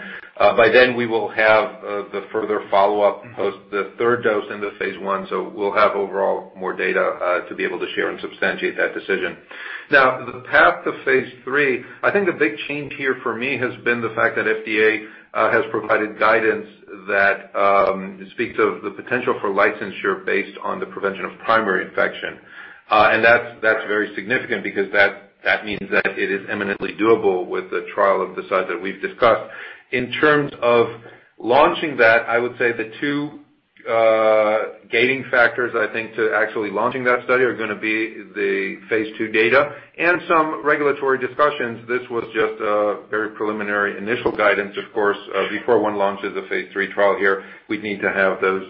By then, we will have the further follow-up post the third dose in the phase I, so we'll have overall more data to be able to share and substantiate that decision. The path to phase III, I think the big change here for me has been the fact that FDA has provided guidance that speaks of the potential for licensure based on the prevention of primary infection. That's very significant because that means that it is eminently doable with the trial of the size that we've discussed. In terms of launching that, I would say the two gating factors, I think, to actually launching that study are going to be the phase II data and some regulatory discussions. This was just a very preliminary initial guidance, of course. Before one launches a phase III trial here, we'd need to have those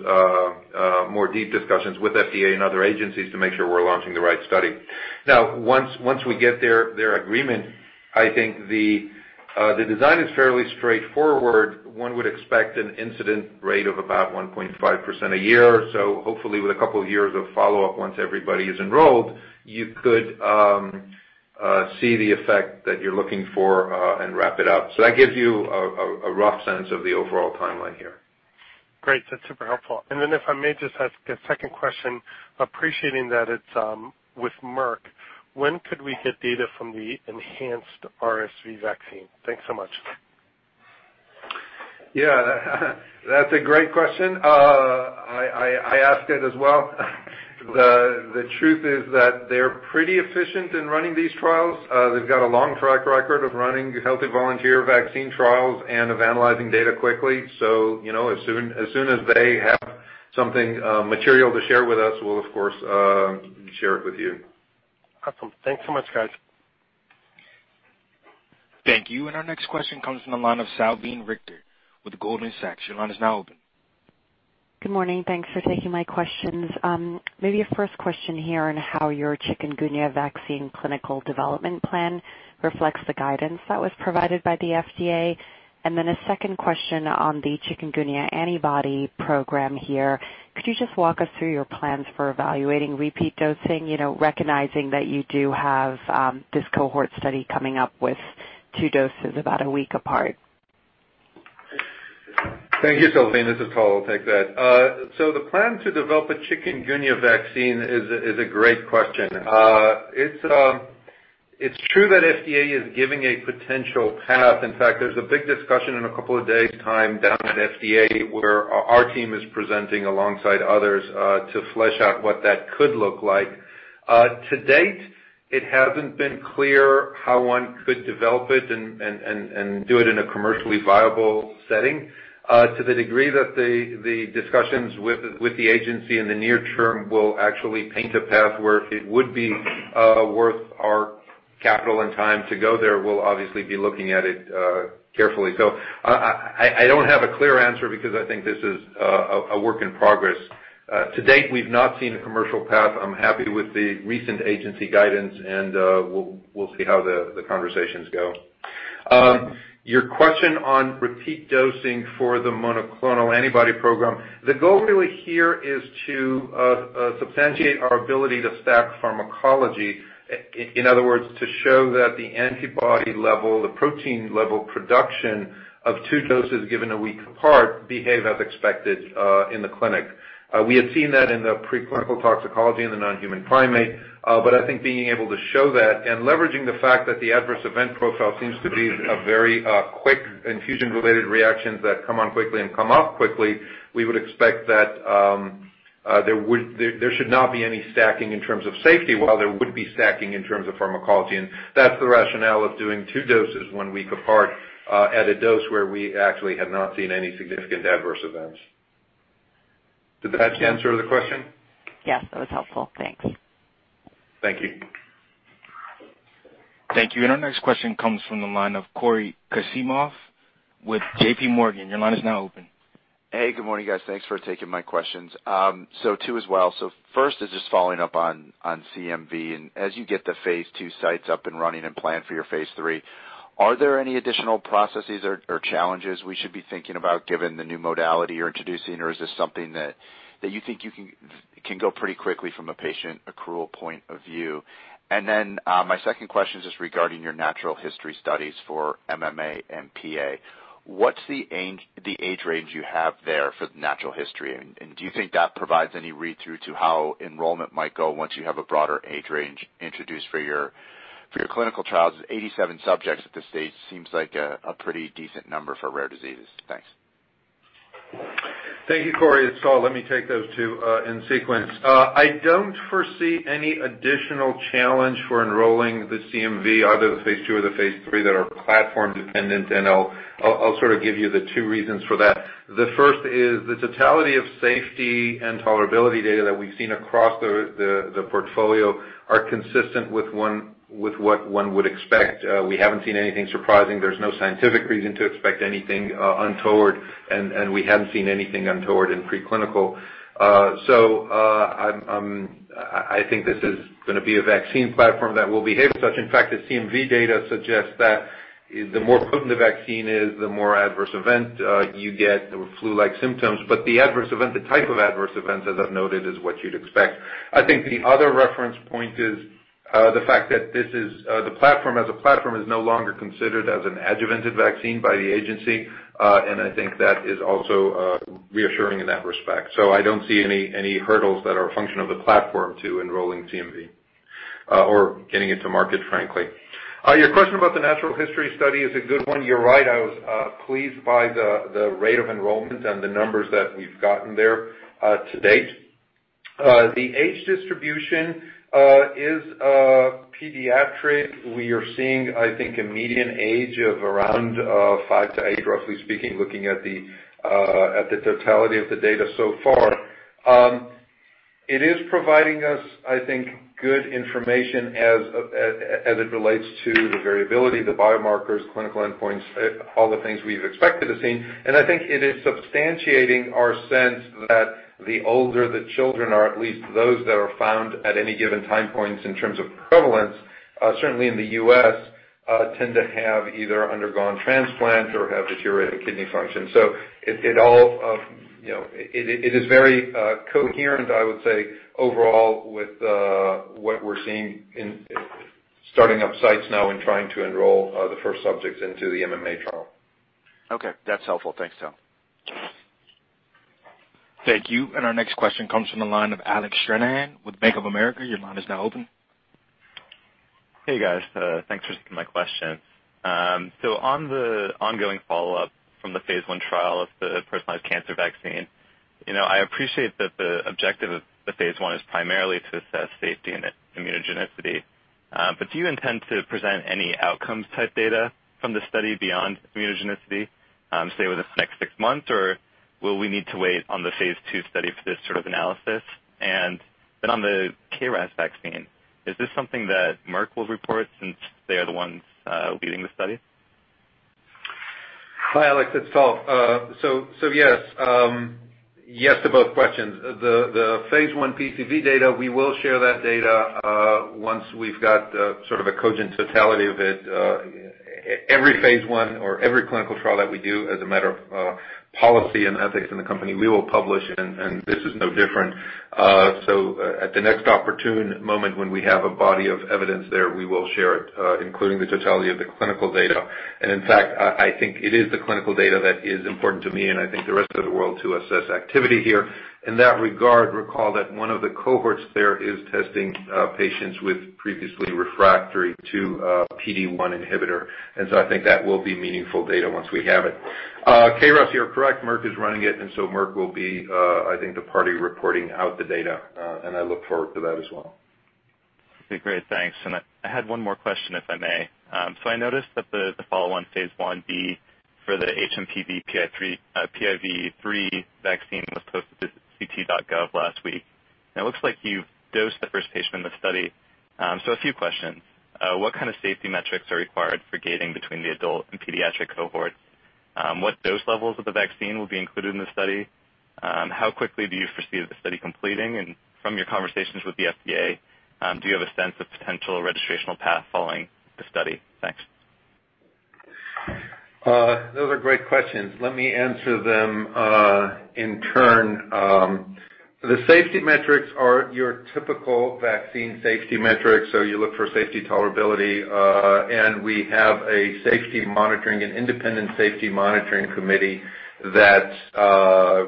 more deep discussions with FDA and other agencies to make sure we're launching the right study. Once we get their agreement, I think the design is fairly straightforward. One would expect an incident rate of about 1.5% a year. Hopefully with a couple of years of follow-up, once everybody is enrolled, you could see the effect that you're looking for and wrap it up. That gives you a rough sense of the overall timeline here. Great. That's super helpful. If I may just ask a second question, appreciating that it's with Merck, when could we get data from the enhanced RSV vaccine? Thanks so much. Yeah. That's a great question. I asked it as well. The truth is that they're pretty efficient in running these trials. They've got a long track record of running healthy volunteer vaccine trials and of analyzing data quickly. As soon as they have something material to share with us, we'll of course share it with you. Awesome. Thanks so much, guys. Thank you. Our next question comes from the line of Salveen Richter with Goldman Sachs. Your line is now open. Good morning. Thanks for taking my questions. Maybe a first question here on how your chikungunya vaccine clinical development plan reflects the guidance that was provided by the FDA. A second question on the chikungunya antibody program here. Could you just walk us through your plans for evaluating repeat dosing, recognizing that you do have this cohort study coming up with two doses about a week apart? Thank you, Salveen. This is Tal. I'll take that. The plan to develop a chikungunya vaccine is a great question. It's true that FDA is giving a potential path. In fact, there's a big discussion in a couple of days' time down at FDA where our team is presenting alongside others to flesh out what that could look like. To date, it hasn't been clear how one could develop it and do it in a commercially viable setting. To the degree that the discussions with the agency in the near term will actually paint a path where it would be worth our capital and time to go there, we'll obviously be looking at it carefully. I don't have a clear answer because I think this is a work in progress. To date, we've not seen a commercial path. I'm happy with the recent agency guidance, we'll see how the conversations go. Your question on repeat dosing for the monoclonal antibody program. The goal really here is to substantiate our ability to stack pharmacology. In other words, to show that the antibody level, the protein level production of two doses given a week apart, behave as expected in the clinic. We had seen that in the preclinical toxicology in the non-human primate. I think being able to show that and leveraging the fact that the adverse event profile seems to be a very quick infusion-related reactions that come on quickly and come off quickly, we would expect that there should not be any stacking in terms of safety while there would be stacking in terms of pharmacology. That's the rationale of doing two doses one week apart at a dose where we actually have not seen any significant adverse events. Did that answer the question? Yes, that was helpful. Thanks. Thank you. Thank you. Our next question comes from the line of Cory Kasimov with J.P. Morgan. Your line is now open. Hey, good morning, guys. Thanks for taking my questions. Two as well. First is just following up on CMV, and as you get the phase II sites up and running and plan for your phase III, are there any additional processes or challenges we should be thinking about given the new modality you're introducing? Or is this something that you think you can go pretty quickly from a patient accrual point of view? My second question is just regarding your natural history studies for MMA and PA. What's the age range you have there for the natural history? Do you think that provides any read-through to how enrollment might go once you have a broader age range introduced for your clinical trials? 87 subjects at this stage seems like a pretty decent number for rare diseases. Thanks. Thank you, Cory. It's Tal. Let me take those two in sequence. I don't foresee any additional challenge for enrolling the CMV, either the phase II or the phase III that are platform dependent. I'll sort of give you the two reasons for that. The first is the totality of safety and tolerability data that we've seen across the portfolio are consistent with what one would expect. We haven't seen anything surprising. There's no scientific reason to expect anything untoward. We haven't seen anything untoward in preclinical. I think this is going to be a vaccine platform that will behave such. In fact, the CMV data suggests that the more potent the vaccine is, the more adverse event you get with flu-like symptoms. The adverse event, the type of adverse events as I've noted, is what you'd expect. I think the other reference point is the fact that the platform as a platform is no longer considered as an adjuvanted vaccine by the agency. I think that is also reassuring in that respect. I don't see any hurdles that are a function of the platform to enrolling CMV, or getting it to market, frankly. Your question about the natural history study is a good one. You're right. I was pleased by the rate of enrollment and the numbers that we've gotten there to date. The age distribution is pediatric. We are seeing, I think, a median age of around five to eight, roughly speaking, looking at the totality of the data so far. It is providing us, I think, good information as it relates to the variability, the biomarkers, clinical endpoints, all the things we've expected to see. I think it is substantiating our sense that the older the children are, at least those that are found at any given time points in terms of prevalence, certainly in the U.S., tend to have either undergone transplant or have deteriorated kidney function. It is very coherent, I would say, overall, with what we're seeing in starting up sites now and trying to enroll the first subjects into the MMA trial. Okay. That's helpful. Thanks, Tal. Thank you. Our next question comes from the line of Alec Stranahan with Bank of America. Your line is now open. Hey, guys. Thanks for taking my questions. On the ongoing follow-up from the phase I trial of the personalized cancer vaccine. I appreciate that the objective of the phase I is primarily to assess safety and immunogenicity. Do you intend to present any outcomes type data from the study beyond immunogenicity, say, within the next six months? Will we need to wait on the phase II study for this sort of analysis? On the KRAS vaccine, is this something that Merck will report since they are the ones leading the study? Hi, Alec. It's Tal. Yes to both questions. The phase I PCV data, we will share that data once we've got sort of a cogent totality of it. Every phase I or every clinical trial that we do as a matter of policy and ethics in the company, we will publish, and this is no different. At the next opportune moment when we have a body of evidence there, we will share it, including the totality of the clinical data. In fact, I think it is the clinical data that is important to me and I think the rest of the world to assess activity here. In that regard, recall that one of the cohorts there is testing patients with previously refractory to PD-1 inhibitor. I think that will be meaningful data once we have it. KRAS, you're correct. Merck is running it, and so Merck will be I think the party reporting out the data. I look forward to that as well. Okay, great. Thanks. I had one more question, if I may. I noticed that the follow-on phase I-B for the HMPV/PIV3 vaccine was posted to ClinicalTrials.gov last week. It looks like you've dosed the first patient in the study. A few questions. What kind of safety metrics are required for gating between the adult and pediatric cohorts? What dose levels of the vaccine will be included in the study? How quickly do you foresee the study completing? From your conversations with the FDA, do you have a sense of potential registrational path following the study? Thanks. Those are great questions. Let me answer them in turn. The safety metrics are your typical vaccine safety metrics. You look for safety tolerability. We have an independent safety monitoring committee that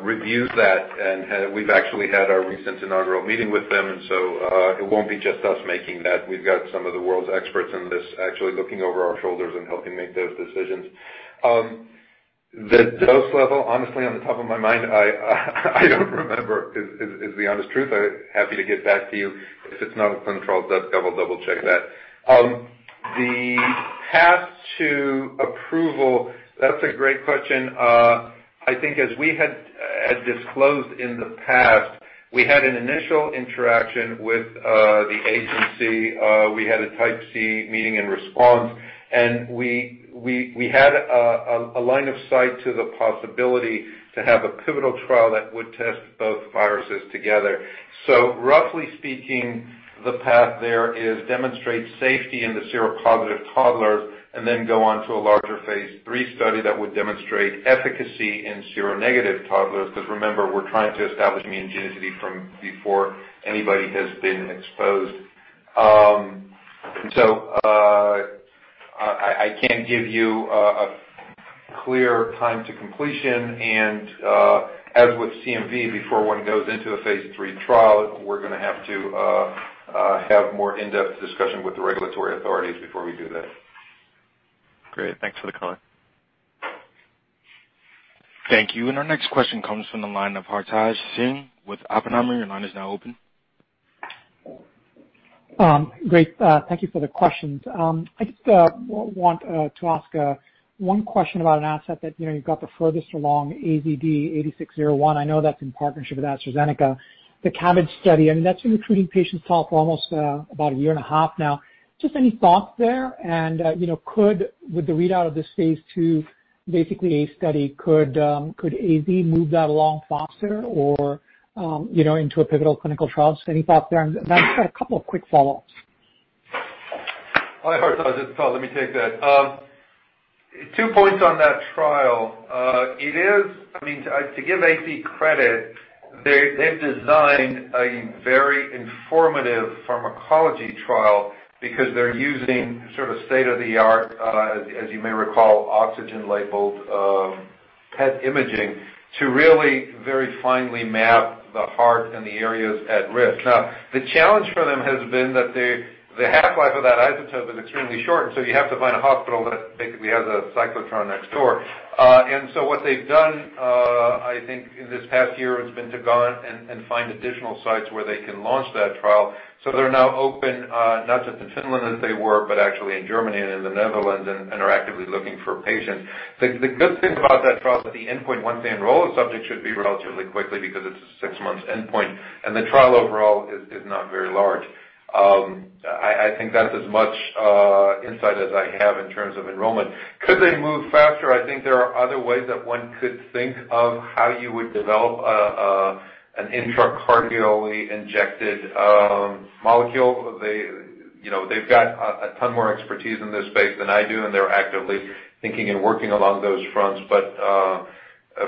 reviews that, and we've actually had our recent inaugural meeting with them. It won't be just us making that. We've got some of the world's experts in this actually looking over our shoulders and helping make those decisions. The dose level, honestly, on the top of my mind, I don't remember, is the honest truth. Happy to get back to you. If it's not in the clinical trial, I'll double-check that. The path to approval, that's a great question. I think as we had disclosed in the past, we had an initial interaction with the agency. We had a Type C meeting in response. We had a line of sight to the possibility to have a pivotal trial that would test both viruses together. Roughly speaking, the path there is demonstrate safety in the seropositive toddlers and then go on to a larger phase III study that would demonstrate efficacy in seronegative toddlers. Remember, we're trying to establish immunogenicity from before anybody has been exposed. I can't give you a clear time to completion, and as with CMV, before one goes into a phase III trial, we're going to have to have more in-depth discussion with the regulatory authorities before we do that. Great. Thanks for the color. Thank you. Our next question comes from the line of Hartaj Singh with Oppenheimer. Your line is now open. Great. Thank you for the questions. I just want to ask one question about an asset that you've got the furthest along, AZD8601. I know that's in partnership with AstraZeneca. The cabbage study, that's been recruiting patients for almost about a year and a half now. Just any thoughts there, and could, with the readout of this phase II, basically a study, could AZ move that along faster or into a pivotal clinical trial? Any thoughts there? I just had a couple of quick follow-ups. Hi, Hartaj. It's Tal Zaks. Let me take that. Two points on that trial. To give AZ credit, they've designed a very informative pharmacology trial because they're using state-of-the-art, as you may recall, oxygen-labeled PET imaging to really very finely map the heart and the areas at risk. Now, the challenge for them has been that the half-life of that isotope is extremely short, and so you have to find a hospital that basically has a cyclotron next door. What they've done, I think, in this past year has been to go out and find additional sites where they can launch that trial. They're now open, not just in Finland as they were, but actually in Germany and in the Netherlands, and are actively looking for patients. The good thing about that trial is that the endpoint, once they enroll, the subject should be relatively quickly because it's a six-month endpoint. The trial overall is not very large. I think that's as much insight as I have in terms of enrollment. Could they move faster? I think there are other ways that one could think of how you would develop an intracardially injected molecule. They've got a ton more expertise in this space than I do, and they're actively thinking and working along those fronts.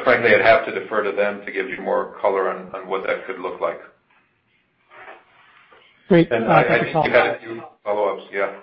Frankly, I'd have to defer to them to give you more color on what that could look like. Great. I think you had a few follow-ups. Yeah.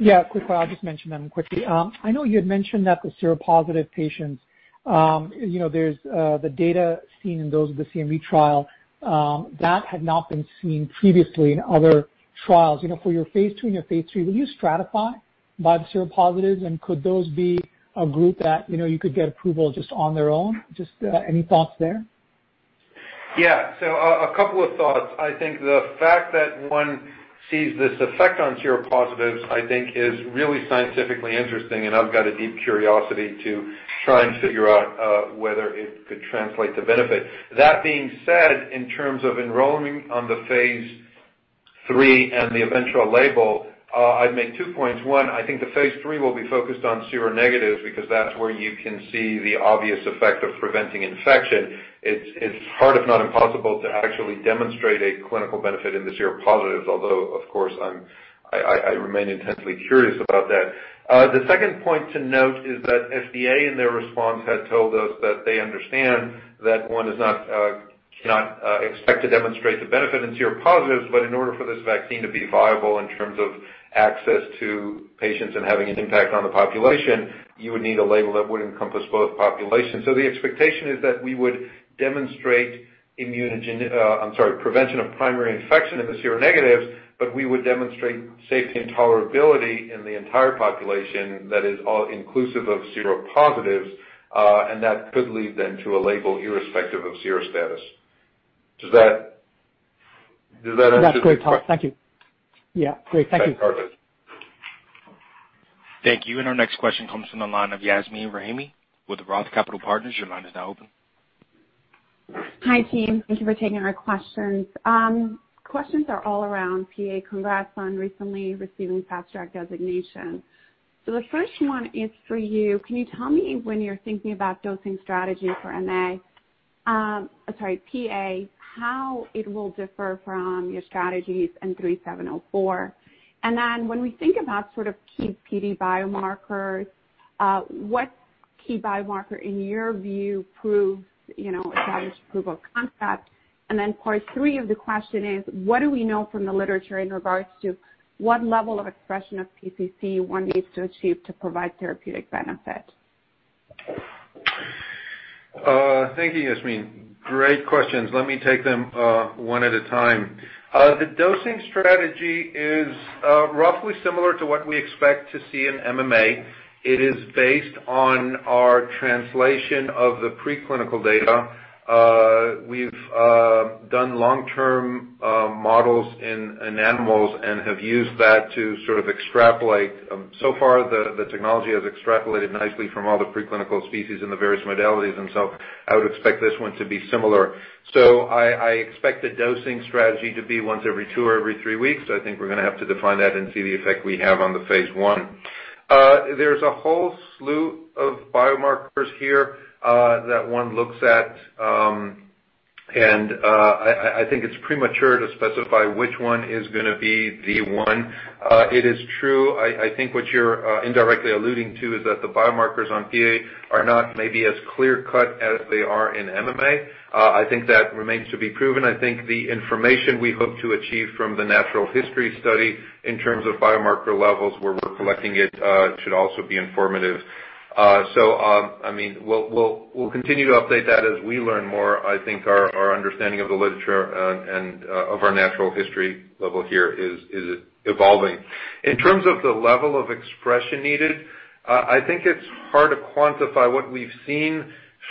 Yeah, a quick one. I'll just mention them quickly. I know you had mentioned that the seropositive patients, there's the data seen in those with the CMV trial. That had not been seen previously in other trials. For your phase II and your phase III, will you stratify by the seropositives, and could those be a group that you could get approval just on their own? Just any thoughts there? Yeah. A couple of thoughts. I think the fact that one sees this effect on seropositives, I think is really scientifically interesting, and I've got a deep curiosity to try and figure out whether it could translate to benefit. That being said, in terms of enrolling on the phase III and the eventual label, I'd make two points. One, I think the phase III will be focused on seronegatives because that's where you can see the obvious effect of preventing infection. It's hard, if not impossible, to actually demonstrate a clinical benefit in the seropositives, although, of course, I remain intensely curious about that. The second point to note is that FDA, in their response, had told us that they understand that one cannot expect to demonstrate the benefit in seropositives, but in order for this vaccine to be viable in terms of access to patients and having an impact on the population, you would need a label that would encompass both populations. The expectation is that we would demonstrate prevention of primary infection in the seronegatives, but we would demonstrate safety and tolerability in the entire population that is inclusive of seropositives, and that could lead then to a label irrespective of serostatus. Does that answer the question? That's great, Tal. Thank you. Yeah. Great, thank you. Thanks, Hartaj. Thank you. Our next question comes from the line of Yasmeen Rahimi with Roth Capital Partners. Your line is now open. Hi, team. Thank you for taking our questions. Questions are all around PA. Congrats on recently receiving Fast Track designation. The first one is for you. Can you tell me when you're thinking about dosing strategy for MA-- sorry, PA, how it will differ from your strategies in 3704? When we think about key PD biomarkers, what key biomarker, in your view, proves a guidance approval concept? Part three of the question is, what do we know from the literature in regards to what level of expression of PCC one needs to achieve to provide therapeutic benefit? Thank you, Yasmeen. Great questions. Let me take them one at a time. The dosing strategy is roughly similar to what we expect to see in MMA. It is based on our translation of the preclinical data. We've done long-term models in animals and have used that to extrapolate. So far, the technology has extrapolated nicely from all the preclinical species in the various modalities themselves. I would expect this one to be similar. I expect the dosing strategy to be once every two or every three weeks. I think we're going to have to define that and see the effect we have on the phase I. There's a whole slew of biomarkers here that one looks at. I think it's premature to specify which one is going to be the one. It is true, I think what you're indirectly alluding to is that the biomarkers on PA are not maybe as clear-cut as they are in MMA. I think that remains to be proven. I think the information we hope to achieve from the natural history study in terms of biomarker levels, where we're collecting it, should also be informative. We'll continue to update that as we learn more. I think our understanding of the literature and of our natural history level here is evolving. In terms of the level of expression needed, I think it's hard to quantify. What we've seen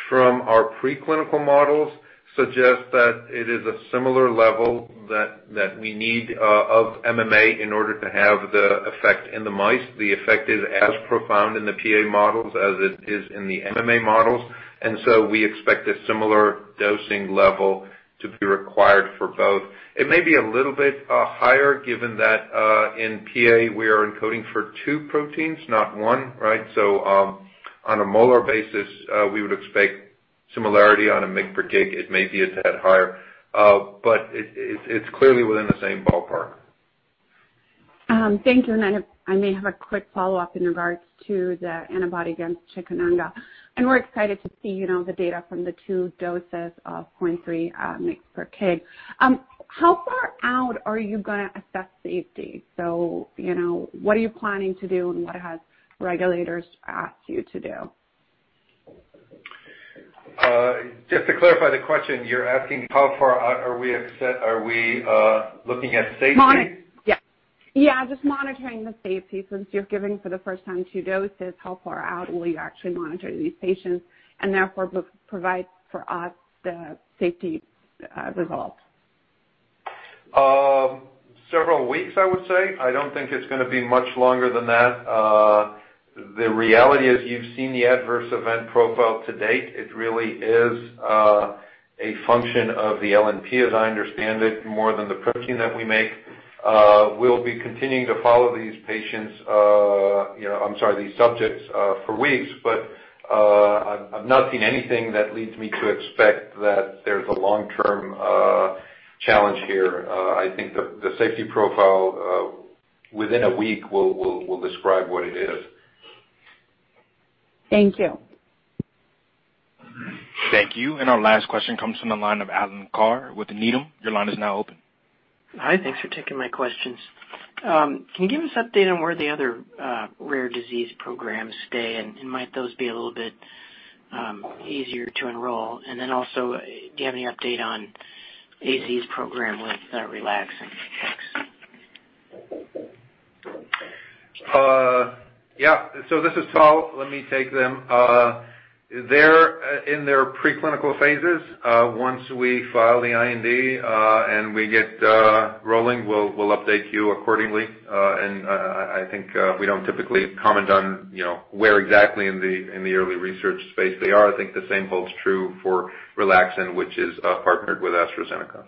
from our preclinical models suggests that it is a similar level that we need of MMA in order to have the effect in the mice. The effect is as profound in the PA models as it is in the MMA models. We expect a similar dosing level to be required for both. It may be a little bit higher given that in PA, we are encoding for 2 proteins, not one. Right? On a molar basis, we would expect similarity. On a mg per kg, it may be a tad higher. It's clearly within the same ballpark. Thank you. I may have a quick follow-up in regards to the antibody against chikungunya. We're excited to see the data from the two doses of 0.3 mg per kg. How far out are you going to assess safety? What are you planning to do, and what have regulators asked you to do? Just to clarify the question, you're asking how far out are we looking at safety? Monitoring. Yeah. Just monitoring the safety, since you're giving for the first time two doses. How far out will you actually monitor these patients and therefore provide for us the safety results? Several weeks, I would say. I don't think it's going to be much longer than that. The reality is you've seen the adverse event profile to date. It really is a function of the LNP, as I understand it, more than the protein that we make. We'll be continuing to follow these patients, I'm sorry, these subjects for weeks, but I've not seen anything that leads me to expect that there's a long-term challenge here. I think the safety profile within a week will describe what it is. Thank you. Thank you. Our last question comes from the line of Alan Carr with Needham. Your line is now open. Hi. Thanks for taking my questions. Can you give us an update on where the other rare disease programs stand, might those be a little bit easier to enroll? Also, do you have any update on AZ's program with relaxin? Thanks. Yeah. This is Tal Zaks. Let me take them. They're in their preclinical phases. Once we file the IND, and we get rolling, we'll update you accordingly. I think we don't typically comment on where exactly in the early research space they are. I think the same holds true for relaxin, which is partnered with AstraZeneca.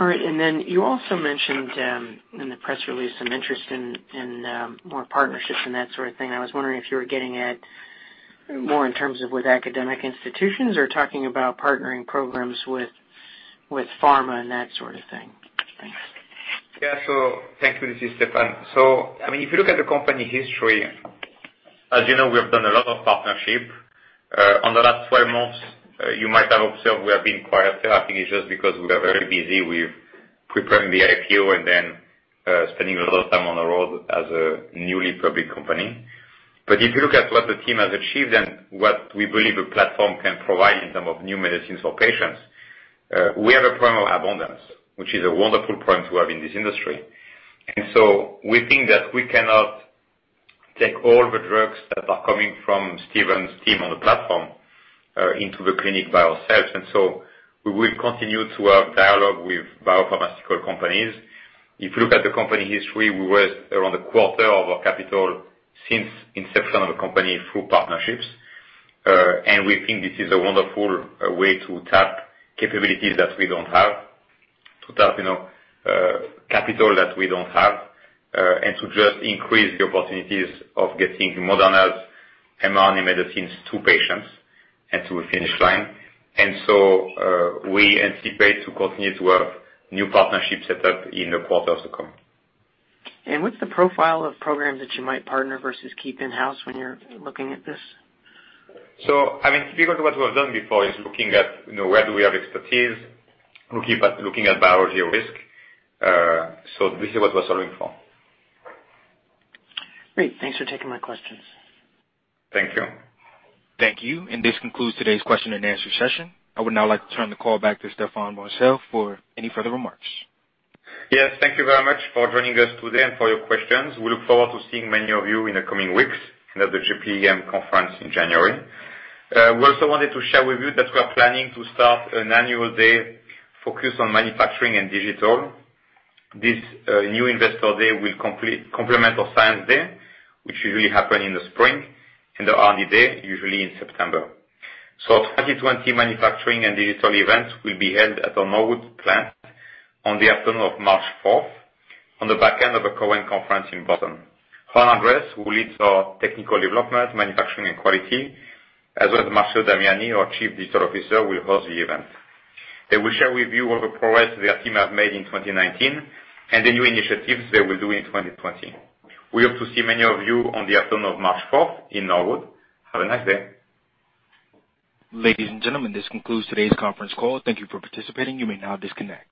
All right. You also mentioned in the press release some interest in more partnerships and that sort of thing. I was wondering if you were getting at more in terms of with academic institutions or talking about partnering programs with pharma and that sort of thing? Thanks. Thank you. This is Stéphane. If you look at the company history, as you know, we have done a lot of partnership. On the last 12 months, you might have observed we have been quiet. I think it's just because we are very busy with preparing the IPO and then spending a lot of time on the road as a newly public company. If you look at what the team has achieved and what we believe the platform can provide in term of new medicines for patients, we have a problem of abundance, which is a wonderful problem to have in this industry. We think that we cannot take all the drugs that are coming from Stephen's team on the platform into the clinic by ourselves. We will continue to have dialogue with biopharmaceutical companies. If you look at the company history, we raised around a quarter of our capital since inception of the company through partnerships. We think this is a wonderful way to tap capabilities that we don't have, to tap capital that we don't have, and to just increase the opportunities of getting Moderna's mRNA medicines to patients and to a finish line. We anticipate to continue to have new partnerships set up in the quarter to come. What's the profile of programs that you might partner versus keep in-house when you're looking at this? Typical to what we have done before is looking at where do we have expertise, looking at biology risk. This is what we're solving for. Great. Thanks for taking my questions. Thank you. Thank you. This concludes today's question and answer session. I would now like to turn the call back to Stéphane Bancel for any further remarks. Yes, thank you very much for joining us today and for your questions. We look forward to seeing many of you in the coming weeks and at the JPM conference in January. We also wanted to share with you that we are planning to start an annual day focused on manufacturing and digital. This new investor day will complement our science day, which usually happen in the spring and the R&D day, usually in September. 2020 manufacturing and digital events will be held at our Norwood plant on the afternoon of March 4th, on the back end of a Cowen conference in Boston. Juan Andres, who leads our technical development, manufacturing, and quality, as well as Marcello Damiani, our Chief Digital Officer, will host the event. They will share with you all the progress their team have made in 2019 and the new initiatives they will do in 2020. We hope to see many of you on the afternoon of March 4th in Norwood. Have a nice day. Ladies and gentlemen, this concludes today's conference call. Thank you for participating. You may now disconnect.